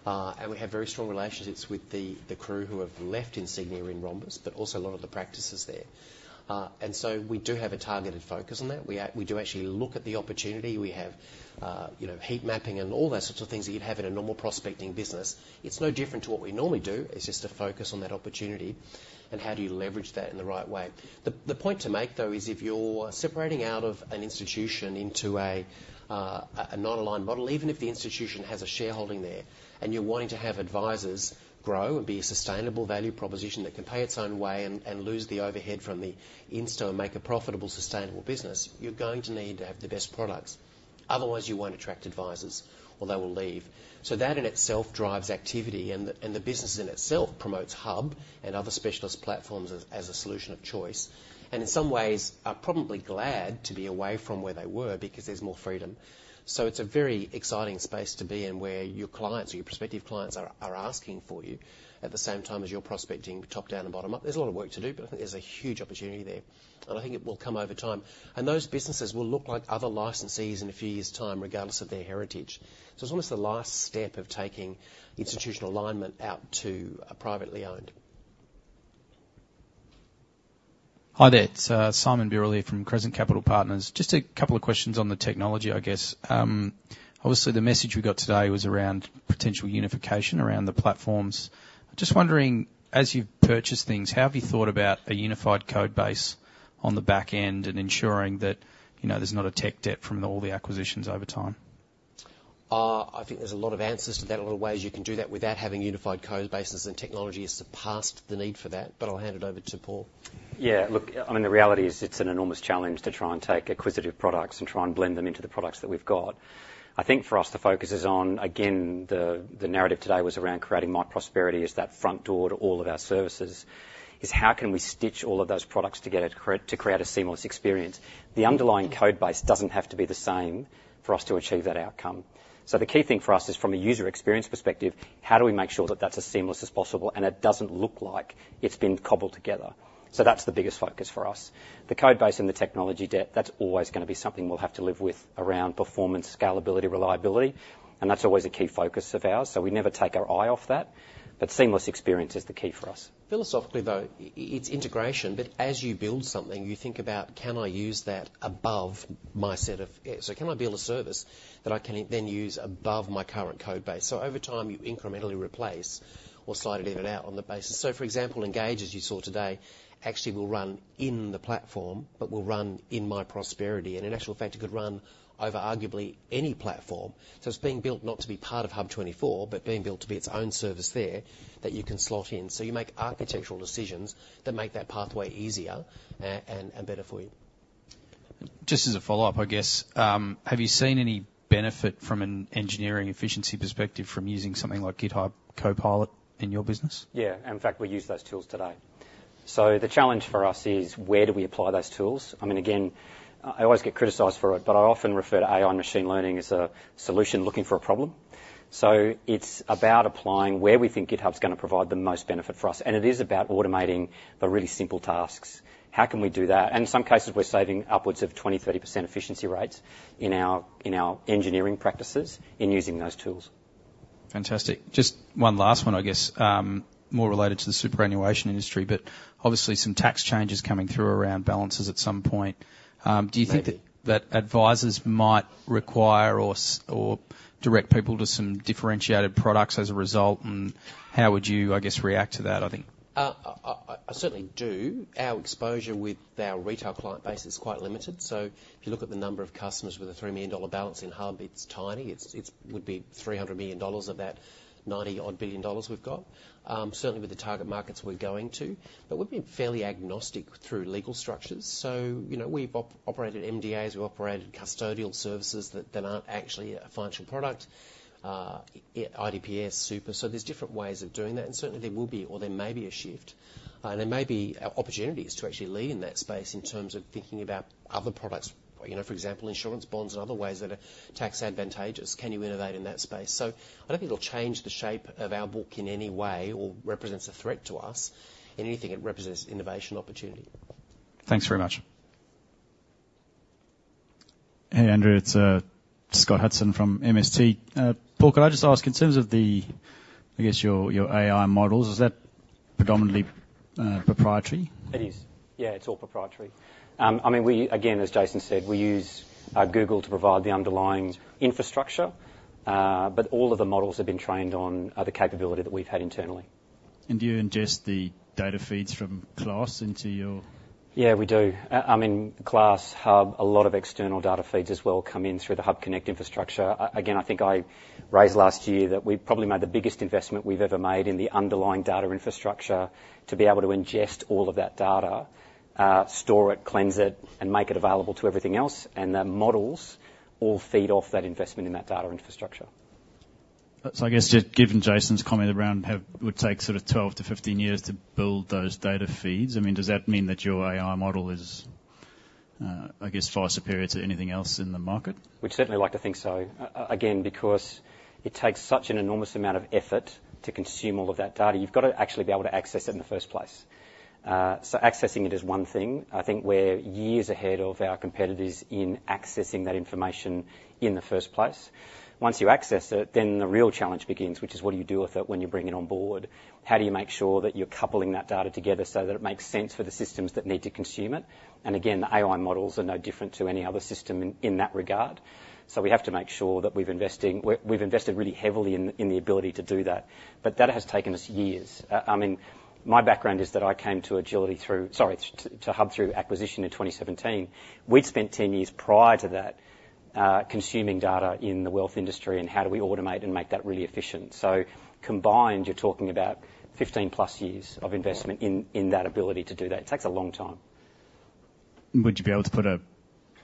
And we have very strong relationships with the crew who have left Insignia, in Rhombus, but also a lot of the practices there. And so we do have a targeted focus on that. We do actually look at the opportunity. We have heat mapping and all those sorts of things that you'd have in a normal prospecting business. It's no different to what we normally do. It's just a focus on that opportunity and how do you leverage that in the right way. The point to make, though, is if you're separating out of an institution into a non-aligned model, even if the institution has a shareholding there and you're wanting to have advisors grow and be a sustainable value proposition that can pay its own way and lose the overhead from the institution and make a profitable, sustainable business, you're going to need to have the best products. Otherwise, you won't attract advisors, or they will leave. So that in itself drives activity, and the business in itself promotes Hub and other specialist platforms as a solution of choice. In some ways, they are probably glad to be away from where they were because there's more freedom. It's a very exciting space to be in where your clients or your prospective clients are asking for you at the same time as you're prospecting top-down and bottom-up. There's a lot of work to do, but I think there's a huge opportunity there. I think it will come over time, and those businesses will look like other licensees in a few years' time, regardless of their heritage. It's almost the last step of taking institutional alignment out to privately owned. Hi there. It's Simon Birrell from Crescent Capital Partners. Just a couple of questions on the technology, I guess. Obviously, the message we got today was around potential unification around the platforms. Just wondering, as you've purchased things, how have you thought about a unified code base on the back end and ensuring that there's not a tech debt from all the acquisitions over time? I think there's a lot of answers to that, a lot of ways you can do that without having unified code bases and technology has surpassed the need for that. But I'll hand it over to Paul. Yeah. Look, I mean, the reality is it's an enormous challenge to try and take acquisitive products and try and blend them into the products that we've got. I think for us, the focus is on, again, the narrative today was around creating myprosperity as that front door to all of our services. It's how can we stitch all of those products together to create a seamless experience? The underlying code base doesn't have to be the same for us to achieve that outcome. So the key thing for us is from a user experience perspective, how do we make sure that that's as seamless as possible and it doesn't look like it's been cobbled together? So that's the biggest focus for us. The code base and the technology debt, that's always going to be something we'll have to live with around performance, scalability, reliability. That's always a key focus of ours. We never take our eye off that. Seamless experience is the key for us. Philosophically, though, it's integration. But as you build something, you think about, can I use that above my set of so can I build a service that I can then use above my current code base? So over time, you incrementally replace or slide it in and out on the basis. So for example, Engage, as you saw today, actually will run in the platform, but will run in myprosperity. And in actual fact, it could run over arguably any platform. So it's being built not to be part of HUB24, but being built to be its own service there that you can slot in. So you make architectural decisions that make that pathway easier and better for you. Just as a follow-up, I guess, have you seen any benefit from an engineering efficiency perspective from using something like GitHub Copilot in your business? Yeah, and in fact, we use those tools today, so the challenge for us is where do we apply those tools? I mean, again, I always get criticized for it, but I often refer to AI and machine learning as a solution looking for a problem, so it's about applying where we think GitHub is going to provide the most benefit for us, and it is about automating the really simple tasks. How can we do that, and in some cases, we're saving upwards of 20%-30% efficiency rates in our engineering practices in using those tools. Fantastic. Just one last one, I guess, more related to the superannuation industry, but obviously some tax changes coming through around balances at some point. Do you think that advisors might require or direct people to some differentiated products as a result? And how would you, I guess, react to that, I think? I certainly do. Our exposure with our retail client base is quite limited. So if you look at the number of customers with a 3 million dollar balance in Hub, it's tiny. It would be 300 million dollars of that 90-odd billion dollars we've got, certainly with the target markets we're going to. But we've been fairly agnostic through legal structures. So we've operated MDAs. We've operated custodial services that aren't actually a financial product, IDPS, super. So there's different ways of doing that. And certainly, there will be or there may be a shift. And there may be opportunities to actually lead in that space in terms of thinking about other products, for example, insurance bonds and other ways that are tax advantageous. Can you innovate in that space? So I don't think it'll change the shape of our book in any way or represents a threat to us. In anything, it represents innovation opportunity. Thanks very much. Hey, Andrew. It's Scott Hudson from MST. Paul, could I just ask, in terms of the, I guess, your AI models, is that predominantly proprietary? It is. Yeah, it's all proprietary. I mean, again, as Jason said, we use Google to provide the underlying infrastructure, but all of the models have been trained on the capability that we've had internally. Do you ingest the data feeds from Class into your? Yeah, we do. I mean, Class, HUB24, a lot of external data feeds as well come in through the HUBConnect infrastructure. Again, I think I raised last year that we probably made the biggest investment we've ever made in the underlying data infrastructure to be able to ingest all of that data, store it, cleanse it, and make it available to everything else. The models all feed off that investment in that data infrastructure. So I guess just given Jason's comment around would take sort of 12-15 years to build those data feeds, I mean, does that mean that your AI model is, I guess, far superior to anything else in the market? We'd certainly like to think so. Again, because it takes such an enormous amount of effort to consume all of that data, you've got to actually be able to access it in the first place. So accessing it is one thing. I think we're years ahead of our competitors in accessing that information in the first place. Once you access it, then the real challenge begins, which is what do you do with it when you bring it on board? How do you make sure that you're coupling that data together so that it makes sense for the systems that need to consume it? And again, the AI models are no different to any other system in that regard. So we have to make sure that we've invested really heavily in the ability to do that, but that has taken us years. I mean, my background is that I came to Agility through, sorry, to Hub through acquisition in 2017. We'd spent 10 years prior to that consuming data in the wealth industry and how do we automate and make that really efficient? So combined, you're talking about 15-plus years of investment in that ability to do that. It takes a long time. Would you be able to put a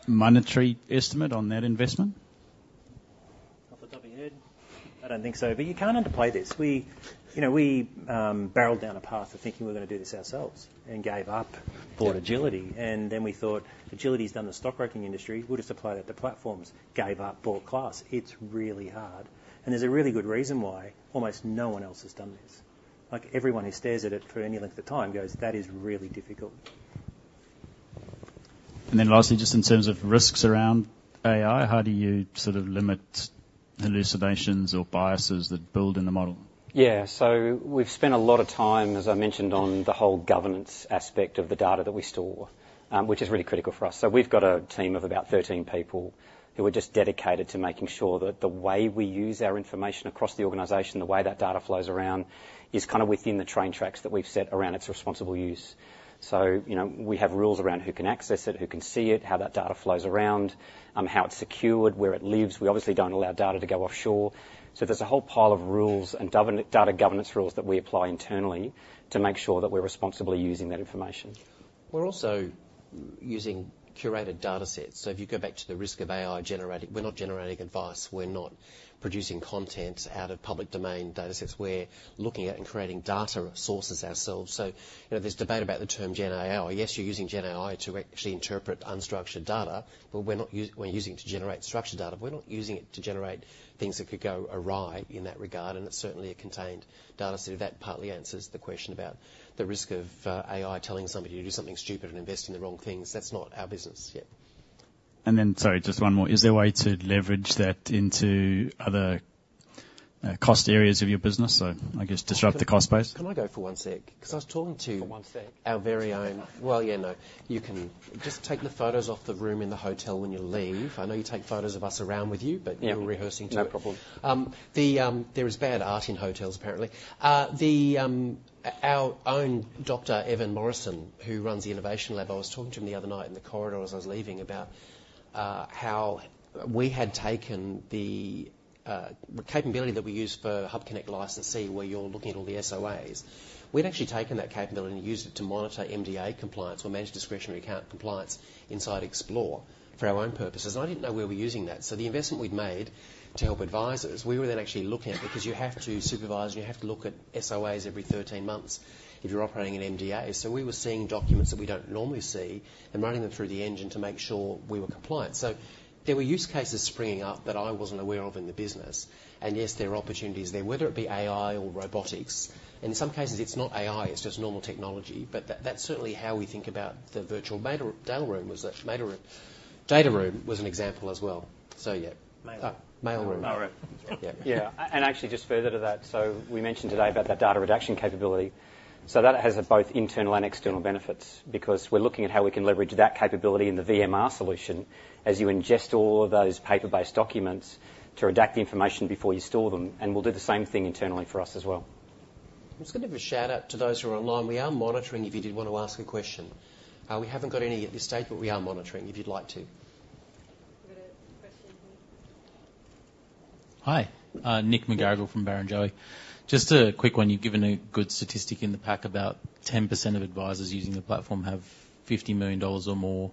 monetary estimate on that investment? Off the top of your head? I don't think so, but you can't underplay this. We barreled down a path of thinking we were going to do this ourselves and gave up, bought Agility, and then we thought, "Agility's done the stockbroking industry. We'll just apply that to platforms." Gave up, bought Class. It's really hard, and there's a really good reason why almost no one else has done this. Everyone who stares at it for any length of time goes, "That is really difficult. Lastly, just in terms of risks around AI, how do you sort of limit hallucinations or biases that build in the model? Yeah. So we've spent a lot of time, as I mentioned, on the whole governance aspect of the data that we store, which is really critical for us. So we've got a team of about 13 people who are just dedicated to making sure that the way we use our information across the organization, the way that data flows around, is kind of within the train tracks that we've set around its responsible use. So we have rules around who can access it, who can see it, how that data flows around, how it's secured, where it lives. We obviously don't allow data to go offshore. So there's a whole pile of rules and data governance rules that we apply internally to make sure that we're responsibly using that information. We're also using curated data sets. So if you go back to the risk of AI generating, we're not generating advice. We're not producing content out of public domain data sets. We're looking at and creating data sources ourselves. So there's debate about the term GenAI. Yes, you're using GenAI to actually interpret unstructured data, but we're using it to generate structured data. We're not using it to generate things that could go awry in that regard. And it's certainly a contained data set that partly answers the question about the risk of AI telling somebody to do something stupid and invest in the wrong things. That's not our business yet. And then, sorry, just one more. Is there a way to leverage that into other cost areas of your business? So I guess disrupt the cost base. Can I go for one sec? Because I was talking to our very own well, yeah, no. You can just take the photos off the room in the hotel when you leave. I know you take photos of us around with you, but you're rehearsing too. Yeah, no problem. There is bad art in hotels, apparently. Our own doctor, Evan Morrison, who runs the innovation lab, I was talking to him the other night in the corridor as I was leaving about how we had taken the capability that we use for HUBConnect licensee where you're looking at all the SOAs. We'd actually taken that capability and used it to monitor MDA compliance or managed discretionary account compliance inside Xplore for our own purposes. And I didn't know where we were using that. So the investment we'd made to help advisors, we were then actually looking at because you have to supervise and you have to look at SOAs every 13 months if you're operating in MDA. So we were seeing documents that we don't normally see and running them through the engine to make sure we were compliant. There were use cases springing up that I wasn't aware of in the business. Yes, there are opportunities there, whether it be AI or robotics. In some cases, it's not AI. It's just normal technology. That's certainly how we think about the Virtual Mailroom. That data room was an example as well. Yeah. Mailroom. Mailroom. Mailroom. Yeah. And actually, just further to that, so we mentioned today about that data redaction capability. So that has both internal and external benefits because we're looking at how we can leverage that capability in the VMR solution as you ingest all of those paper-based documents to redact the information before you store them. And we'll do the same thing internally for us as well. I'm just going to give a shout-out to those who are online. We are monitoring if you did want to ask a question. We haven't got any at this stage, but we are monitoring if you'd like to. Hi. Nick McGarrigle from Barrenjoey. Just a quick one. You've given a good statistic in the pack about 10% of advisors using the platform have 50 million dollars or more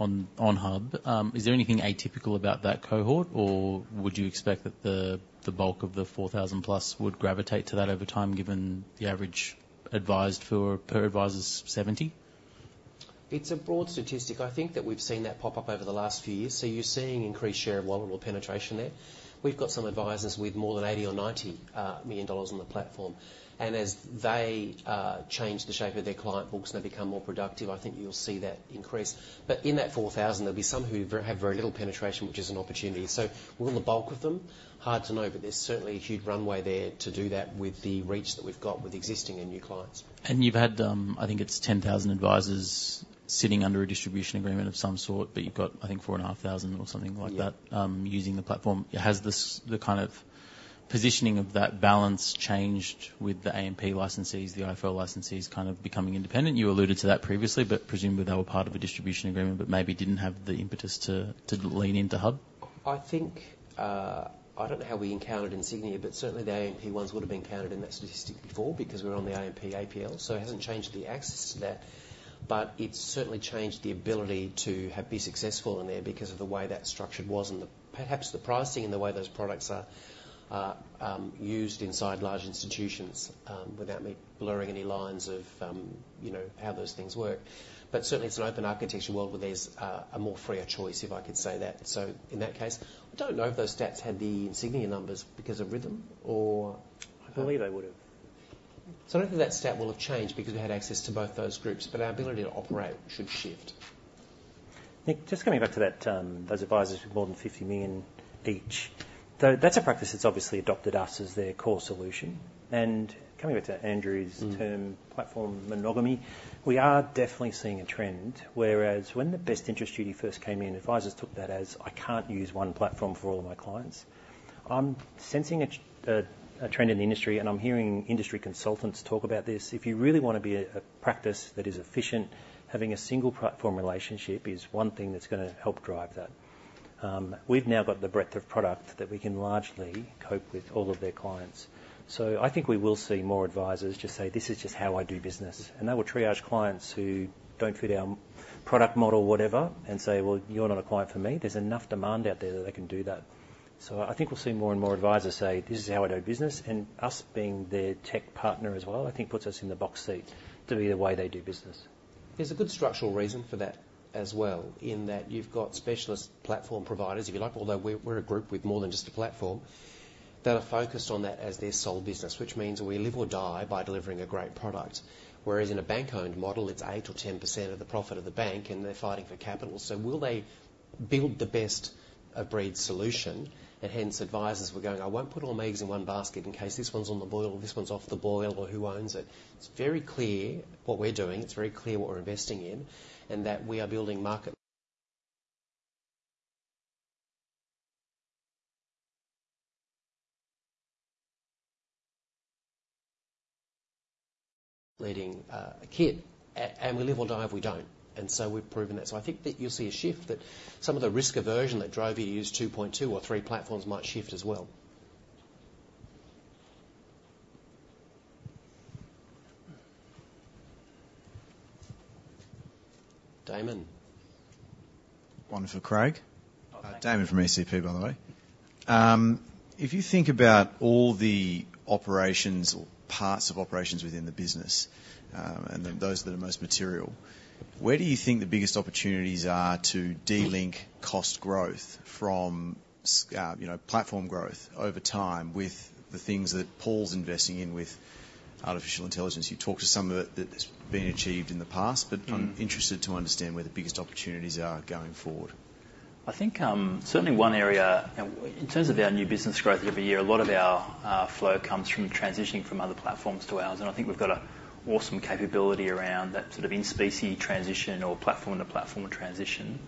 on Hub. Is there anything atypical about that cohort, or would you expect that the bulk of the 4,000-plus would gravitate to that over time given the average advised per advisor's 70? It's a broad statistic. I think that we've seen that pop up over the last few years, so you're seeing increased share of wallet penetration there. We've got some advisors with more than 80 million or 90 million dollars on the platform, and as they change the shape of their client books and they become more productive, I think you'll see that increase, but in that 4,000, there'll be some who have very little penetration, which is an opportunity, so will the bulk of them? Hard to know, but there's certainly a huge runway there to do that with the reach that we've got with existing and new clients. You've had, I think it's 10,000 advisors sitting under a distribution agreement of some sort, but you've got, I think, 4,500 or something like that using the platform. Has the kind of positioning of that balance changed with the AMP licensees, the IOOF licensees kind of becoming independent? You alluded to that previously, but presumably they were part of a distribution agreement, but maybe didn't have the impetus to lean into Hub? I don't know how we encountered Insignia, but certainly the AMP ones would have encountered in that statistic before because we're on the AMP APL. So it hasn't changed the access to that. But it's certainly changed the ability to be successful in there because of the way that structure was and perhaps the pricing and the way those products are used inside large institutions without me blurring any lines of how those things work. But certainly, it's an open architecture world where there's a more freer choice, if I could say that. So in that case, I don't know if those stats had the Insignia numbers because of rhythm or. I believe they would have. So I don't think that stat will have changed because we had access to both those groups, but our ability to operate should shift. Nick, just coming back to those advisors with more than 50 million each. That's a practice that's obviously adopted us as their core solution. And coming back to Andrew's term, platform monogamy, we are definitely seeing a trend, whereas when the best interest duty first came in, advisors took that as, "I can't use one platform for all of my clients." I'm sensing a trend in the industry, and I'm hearing industry consultants talk about this. If you really want to be a practice that is efficient, having a single platform relationship is one thing that's going to help drive that. We've now got the breadth of product that we can largely cope with all of their clients. So I think we will see more advisors just say, "This is just how I do business." And they will triage clients who don't fit our product model, whatever, and say, "Well, you're not a client for me." There's enough demand out there that they can do that. So I think we'll see more and more advisors say, "This is how I do business." And us being their tech partner as well, I think, puts us in the box seat to be the way they do business. There's a good structural reason for that as well, in that you've got specialist platform providers, if you like, although we're a group with more than just a platform, that are focused on that as their sole business, which means we live or die by delivering a great product. Whereas in a bank-owned model, it's 8% or 10% of the profit of the bank, and they're fighting for capital. So will they build the best-of-breed solution? Hence, advisors were going, "I won't put all my eggs in one basket in case this one's on the boil or this one's off the boil or who owns it." It's very clear what we're doing. It's very clear what we're investing in and that we are building market leading edge. We live or die if we don't. So we've proven that. So I think that you'll see a shift that some of the risk aversion that drove you to use 2.2 or 3 platforms might shift as well, Damon. One for Craig. Damon from ECP, by the way. If you think about all the operations or parts of operations within the business and those that are most material, where do you think the biggest opportunities are to de-link cost growth from platform growth over time with the things that Paul's investing in with artificial intelligence? You talked to some of it that's been achieved in the past, but I'm interested to understand where the biggest opportunities are going forward. I think certainly one area, in terms of our new business growth every year, a lot of our flow comes from transitioning from other platforms to ours. And I think we've got an awesome capability around that sort of in specie transition or platform-to-platform transition.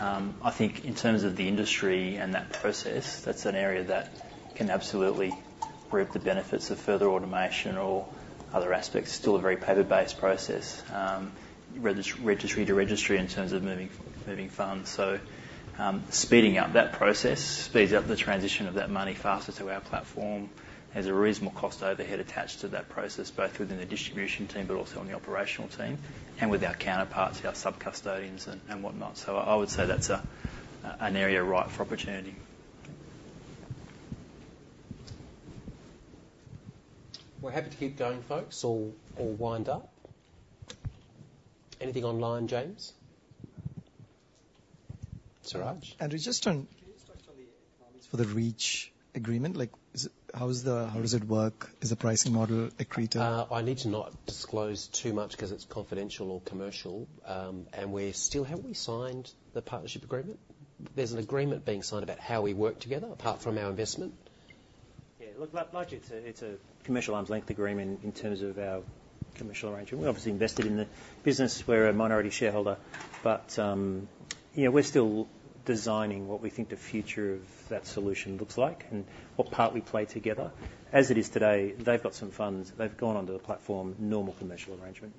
I think in terms of the industry and that process, that's an area that can absolutely reap the benefits of further automation or other aspects. It's still a very paper-based process, registry to registry in terms of moving funds. So speeding up that process speeds up the transition of that money faster to our platform. There's a reasonable cost overhead attached to that process, both within the distribution team, but also on the operational team, and with our counterparts, our sub-custodians, and whatnot. So I would say that's an area ripe for opportunity. We're happy to keep going, folks, or wind up. Anything online, James? Suraj? Andrew, just on. Can you just touch on the economics for the Reach agreement? How does it work? Is the pricing model accretive? I need to not disclose too much because it's confidential or commercial. And have we signed the partnership agreement? There's an agreement being signed about how we work together apart from our investment. Yeah. Look, largely, it's a commercial arm's-length agreement in terms of our commercial arrangement. We've obviously invested in the business. We're a minority shareholder. But we're still designing what we think the future of that solution looks like and what part we play together. As it is today, they've got some funds. They've gone onto the platform, normal commercial arrangement.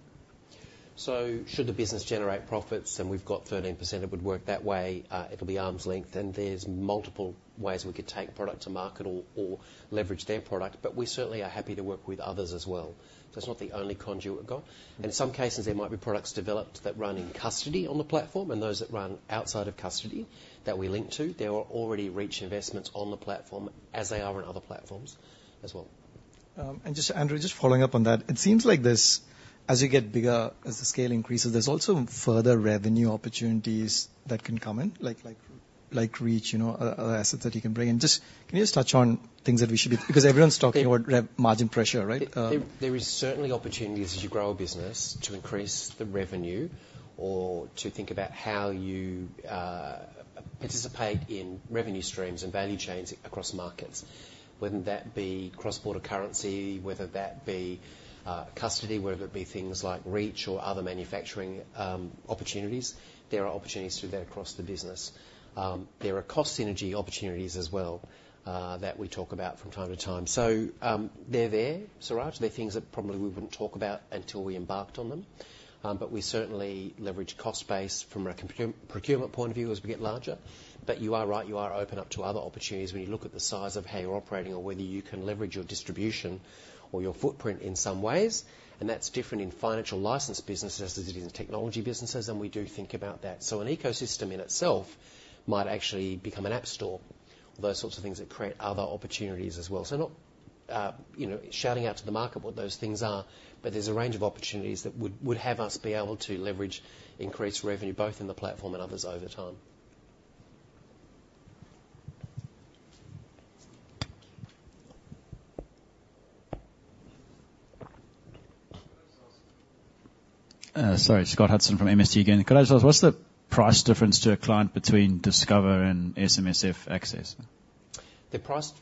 So, should the business generate profits and we've got 13%, it would work that way. It'll be arm's-length. And there's multiple ways we could take product to market or leverage their product. But we certainly are happy to work with others as well. So it's not the only conduit we've got. And in some cases, there might be products developed that run in custody on the platform and those that run outside of custody that we link to. There are already Reach investments on the platform as they are on other platforms as well. And Andrew, just following up on that, it seems like as you get bigger, as the scale increases, there's also further revenue opportunities that can come in, like reach, other assets that you can bring. And can you just touch on things that we should be, because everyone's talking about margin pressure, right? There are certainly opportunities as you grow a business to increase the revenue or to think about how you participate in revenue streams and value chains across markets. Whether that be cross-border currency, whether that be custody, whether it be things like reach or other manufacturing opportunities, there are opportunities to do that across the business. There are cost synergy opportunities as well that we talk about from time to time. So they're there, Suraj. They're things that probably we wouldn't talk about until we embarked on them. But we certainly leverage cost base from a procurement point of view as we get larger. But you are right. You open up to other opportunities when you look at the size of how you're operating or whether you can leverage your distribution or your footprint in some ways. That's different in financial license businesses as it is in technology businesses. We do think about that. An ecosystem in itself might actually become an app store, those sorts of things that create other opportunities as well. Not shouting out to the market what those things are, but there's a range of opportunities that would have us be able to leverage increased revenue both in the platform and others over time. Sorry, Scott Hudson from MST again. Could I just ask, what's the price difference to a client between Discover and SMSF Access? They're priced,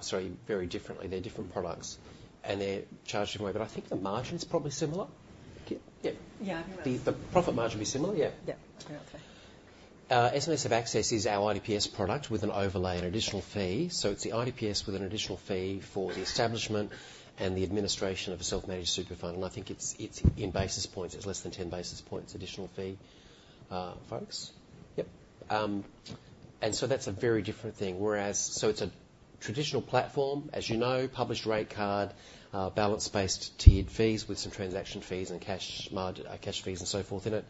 sorry, very differently. They're different products, and they're charged in a way. But I think the margin is probably similar. Yeah. Yeah. I can imagine. The profit margin would be similar. Yeah. Yeah. Yeah. Okay. SMSF Access is our IDPS product with an overlay and additional fee, so it's the IDPS with an additional fee for the establishment and the administration of a self-managed super fund, and I think it's in basis points. It's less than 10 basis points additional fee, folks. Yep, and so that's a very different thing, so it's a traditional platform, as you know, published rate card, balance-based tiered fees with some transaction fees and cash fees and so forth in it.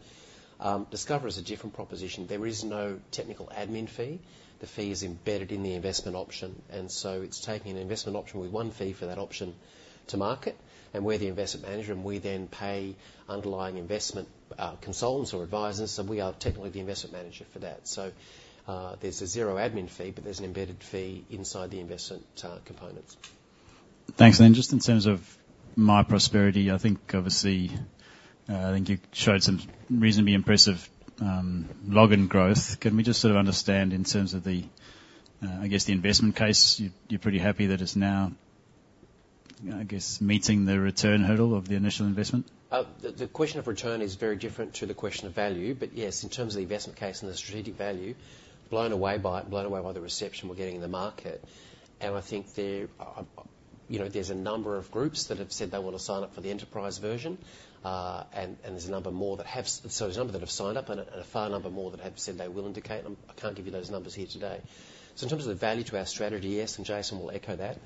Discover is a different proposition. There is no technical admin fee. The fee is embedded in the investment option, and so it's taking an investment option with one fee for that option to market, and we're the investment manager, and we then pay underlying investment consultants or advisors, so we are technically the investment manager for that. There's a zero admin fee, but there's an embedded fee inside the investment components. Thanks, and then just in terms of myprosperity, I think obviously I think you showed some reasonably impressive login growth. Can we just sort of understand in terms of the, I guess, the investment case, you're pretty happy that it's now, I guess, meeting the return hurdle of the initial investment? The question of return is very different to the question of value. But yes, in terms of the investment case and the strategic value, blown away by it, blown away by the reception we're getting in the market. I think there's a number of groups that have said they want to sign up for the enterprise version. There's a number more that have, so there's a number that have signed up and a fair number more that have said they will indicate. I can't give you those numbers here today. In terms of the value to our strategy, yes. Jason will echo that.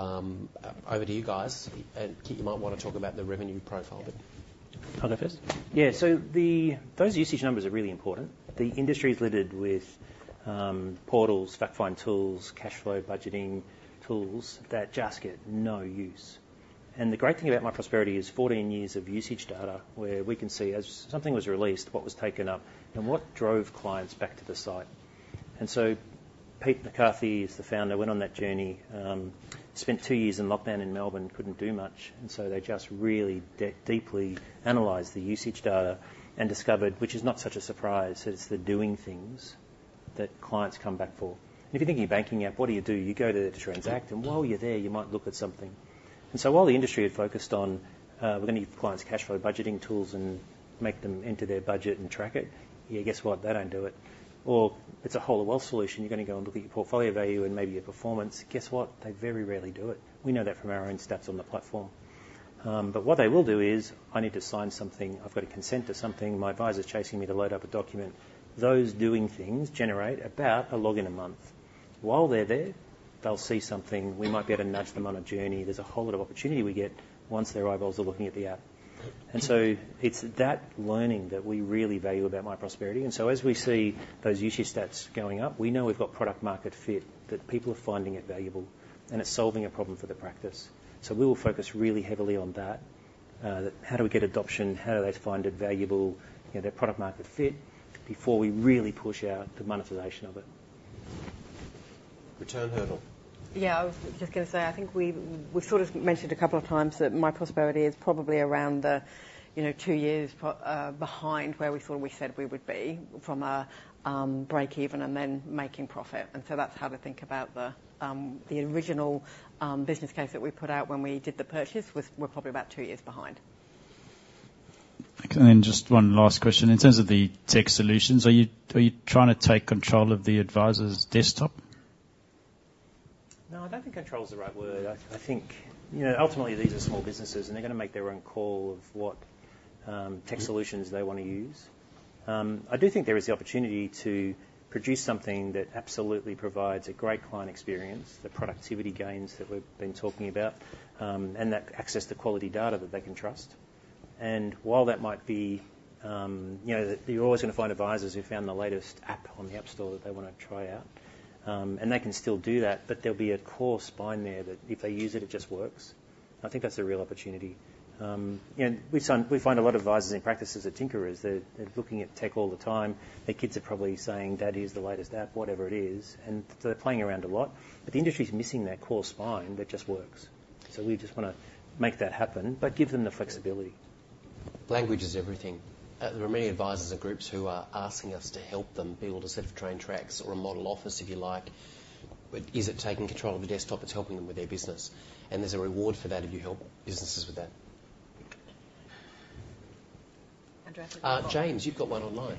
Over to you guys. You might want to talk about the revenue profile, but. I'll go first. Yeah. So those usage numbers are really important. The industry is littered with portals, fact-find tools, cash flow budgeting tools that just get no use. And the great thing about myprosperity is 14 years of usage data where we can see as something was released, what was taken up, and what drove clients back to the site. And so Pete McCarthy is the founder, went on that journey, spent two years in lockdown in Melbourne, couldn't do much. And so they just really deeply analyzed the usage data and discovered, which is not such a surprise, that it's the doing things that clients come back for. And if you're thinking of a banking app, what do you do? You go there to transact. And while you're there, you might look at something. And so while the industry had focused on, "We're going to give clients cash flow budgeting tools and make them enter their budget and track it," yeah, guess what? They don't do it. Or it's a hole-in-the-wall solution. You're going to go and look at your portfolio value and maybe your performance. Guess what? They very rarely do it. We know that from our own stats on the platform. But what they will do is, "I need to sign something. I've got to consent to something. My advisor's chasing me to load up a document." Those doing things generate about a login a month. While they're there, they'll see something. We might be able to nudge them on a journey. There's a whole lot of opportunity we get once their eyeballs are looking at the app. And so it's that learning that we really value about myprosperity. And so as we see those usage stats going up, we know we've got product-market fit, that people are finding it valuable, and it's solving a problem for the practice. So we will focus really heavily on that. How do we get adoption? How do they find it valuable, their product-market fit, before we really push out the monetization of it? Return hurdle. Yeah. I was just going to say, I think we've sort of mentioned a couple of times that myprosperity is probably around two years behind where we thought we said we would be from a break-even and then making profit, and so that's how to think about the original business case that we put out when we did the purchase. We're probably about two years behind. Thanks. And then just one last question. In terms of the tech solutions, are you trying to take control of the advisor's desktop? No, I don't think control is the right word. I think ultimately, these are small businesses, and they're going to make their own call of what tech solutions they want to use. I do think there is the opportunity to produce something that absolutely provides a great client experience, the productivity gains that we've been talking about, and that access to quality data that they can trust, and while that might be, you're always going to find advisors who find the latest app on the app store that they want to try out, and they can still do that, but there'll be a core spine there that if they use it, it just works. I think that's a real opportunity. We find a lot of advisors in practices who are tinkerers. They're looking at tech all the time. Their kids are probably saying, "Daddy is the latest app," whatever it is. And they're playing around a lot. But the industry's missing that core spine that just works. So we just want to make that happen, but give them the flexibility. Language is everything. There are many advisors and groups who are asking us to help them build a set of train tracks or a model office, if you like. But is it taking control of the desktop? It's helping them with their business. And there's a reward for that if you help businesses with that. Andrew's got one. James, you've got one online.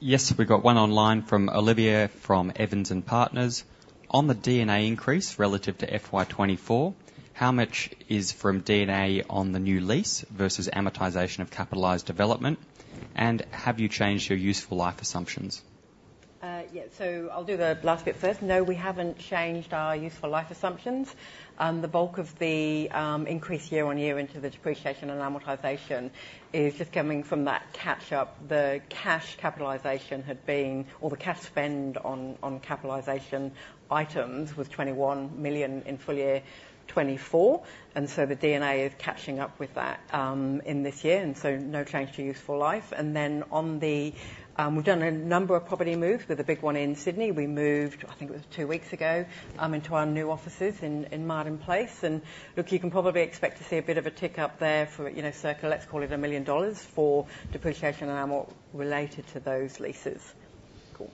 Yes. We've got one online from Olivia from Evans & Partners. On the D&A increase relative to FY 2024, how much is from D&A on the new lease versus amortization of capitalized development? And have you changed your useful life assumptions? Yeah. So I'll do the last bit first. No, we haven't changed our useful life assumptions. The bulk of the increase year on year into the depreciation and amortization is just coming from that catch-up. The cash capitalization had been or the cash spend on capitalization items was 21 million in full year 2024. And so the D&A is catching up with that in this year. And so no change to useful life. And then on the we've done a number of property moves. We had a big one in Sydney. We moved, I think it was two weeks ago, into our new offices in Martin Place. And look, you can probably expect to see a bit of a tick up there for circa, let's call it 1 million dollars for depreciation and amortization related to those leases. Cool.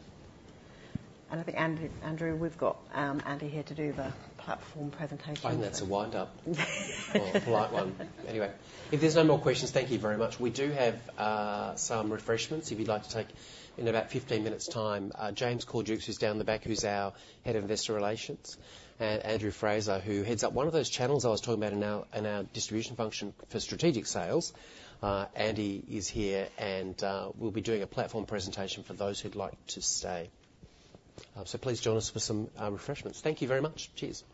I think, Andrew, we've got Andy here to do the platform presentation. I think that's a wind-up. Yeah. right one. Anyway, if there's no more questions, thank you very much. We do have some refreshments if you'd like to take in about 15 minutes' time. James Cordukes, who's down the back, who's our Head of Investor Relations, and Andrew Fraser, who heads up one of those channels I was talking about in our distribution function for strategic sales. Andy is here, and we'll be doing a platform presentation for those who'd like to stay. So please join us for some refreshments. Thank you very much. Cheers.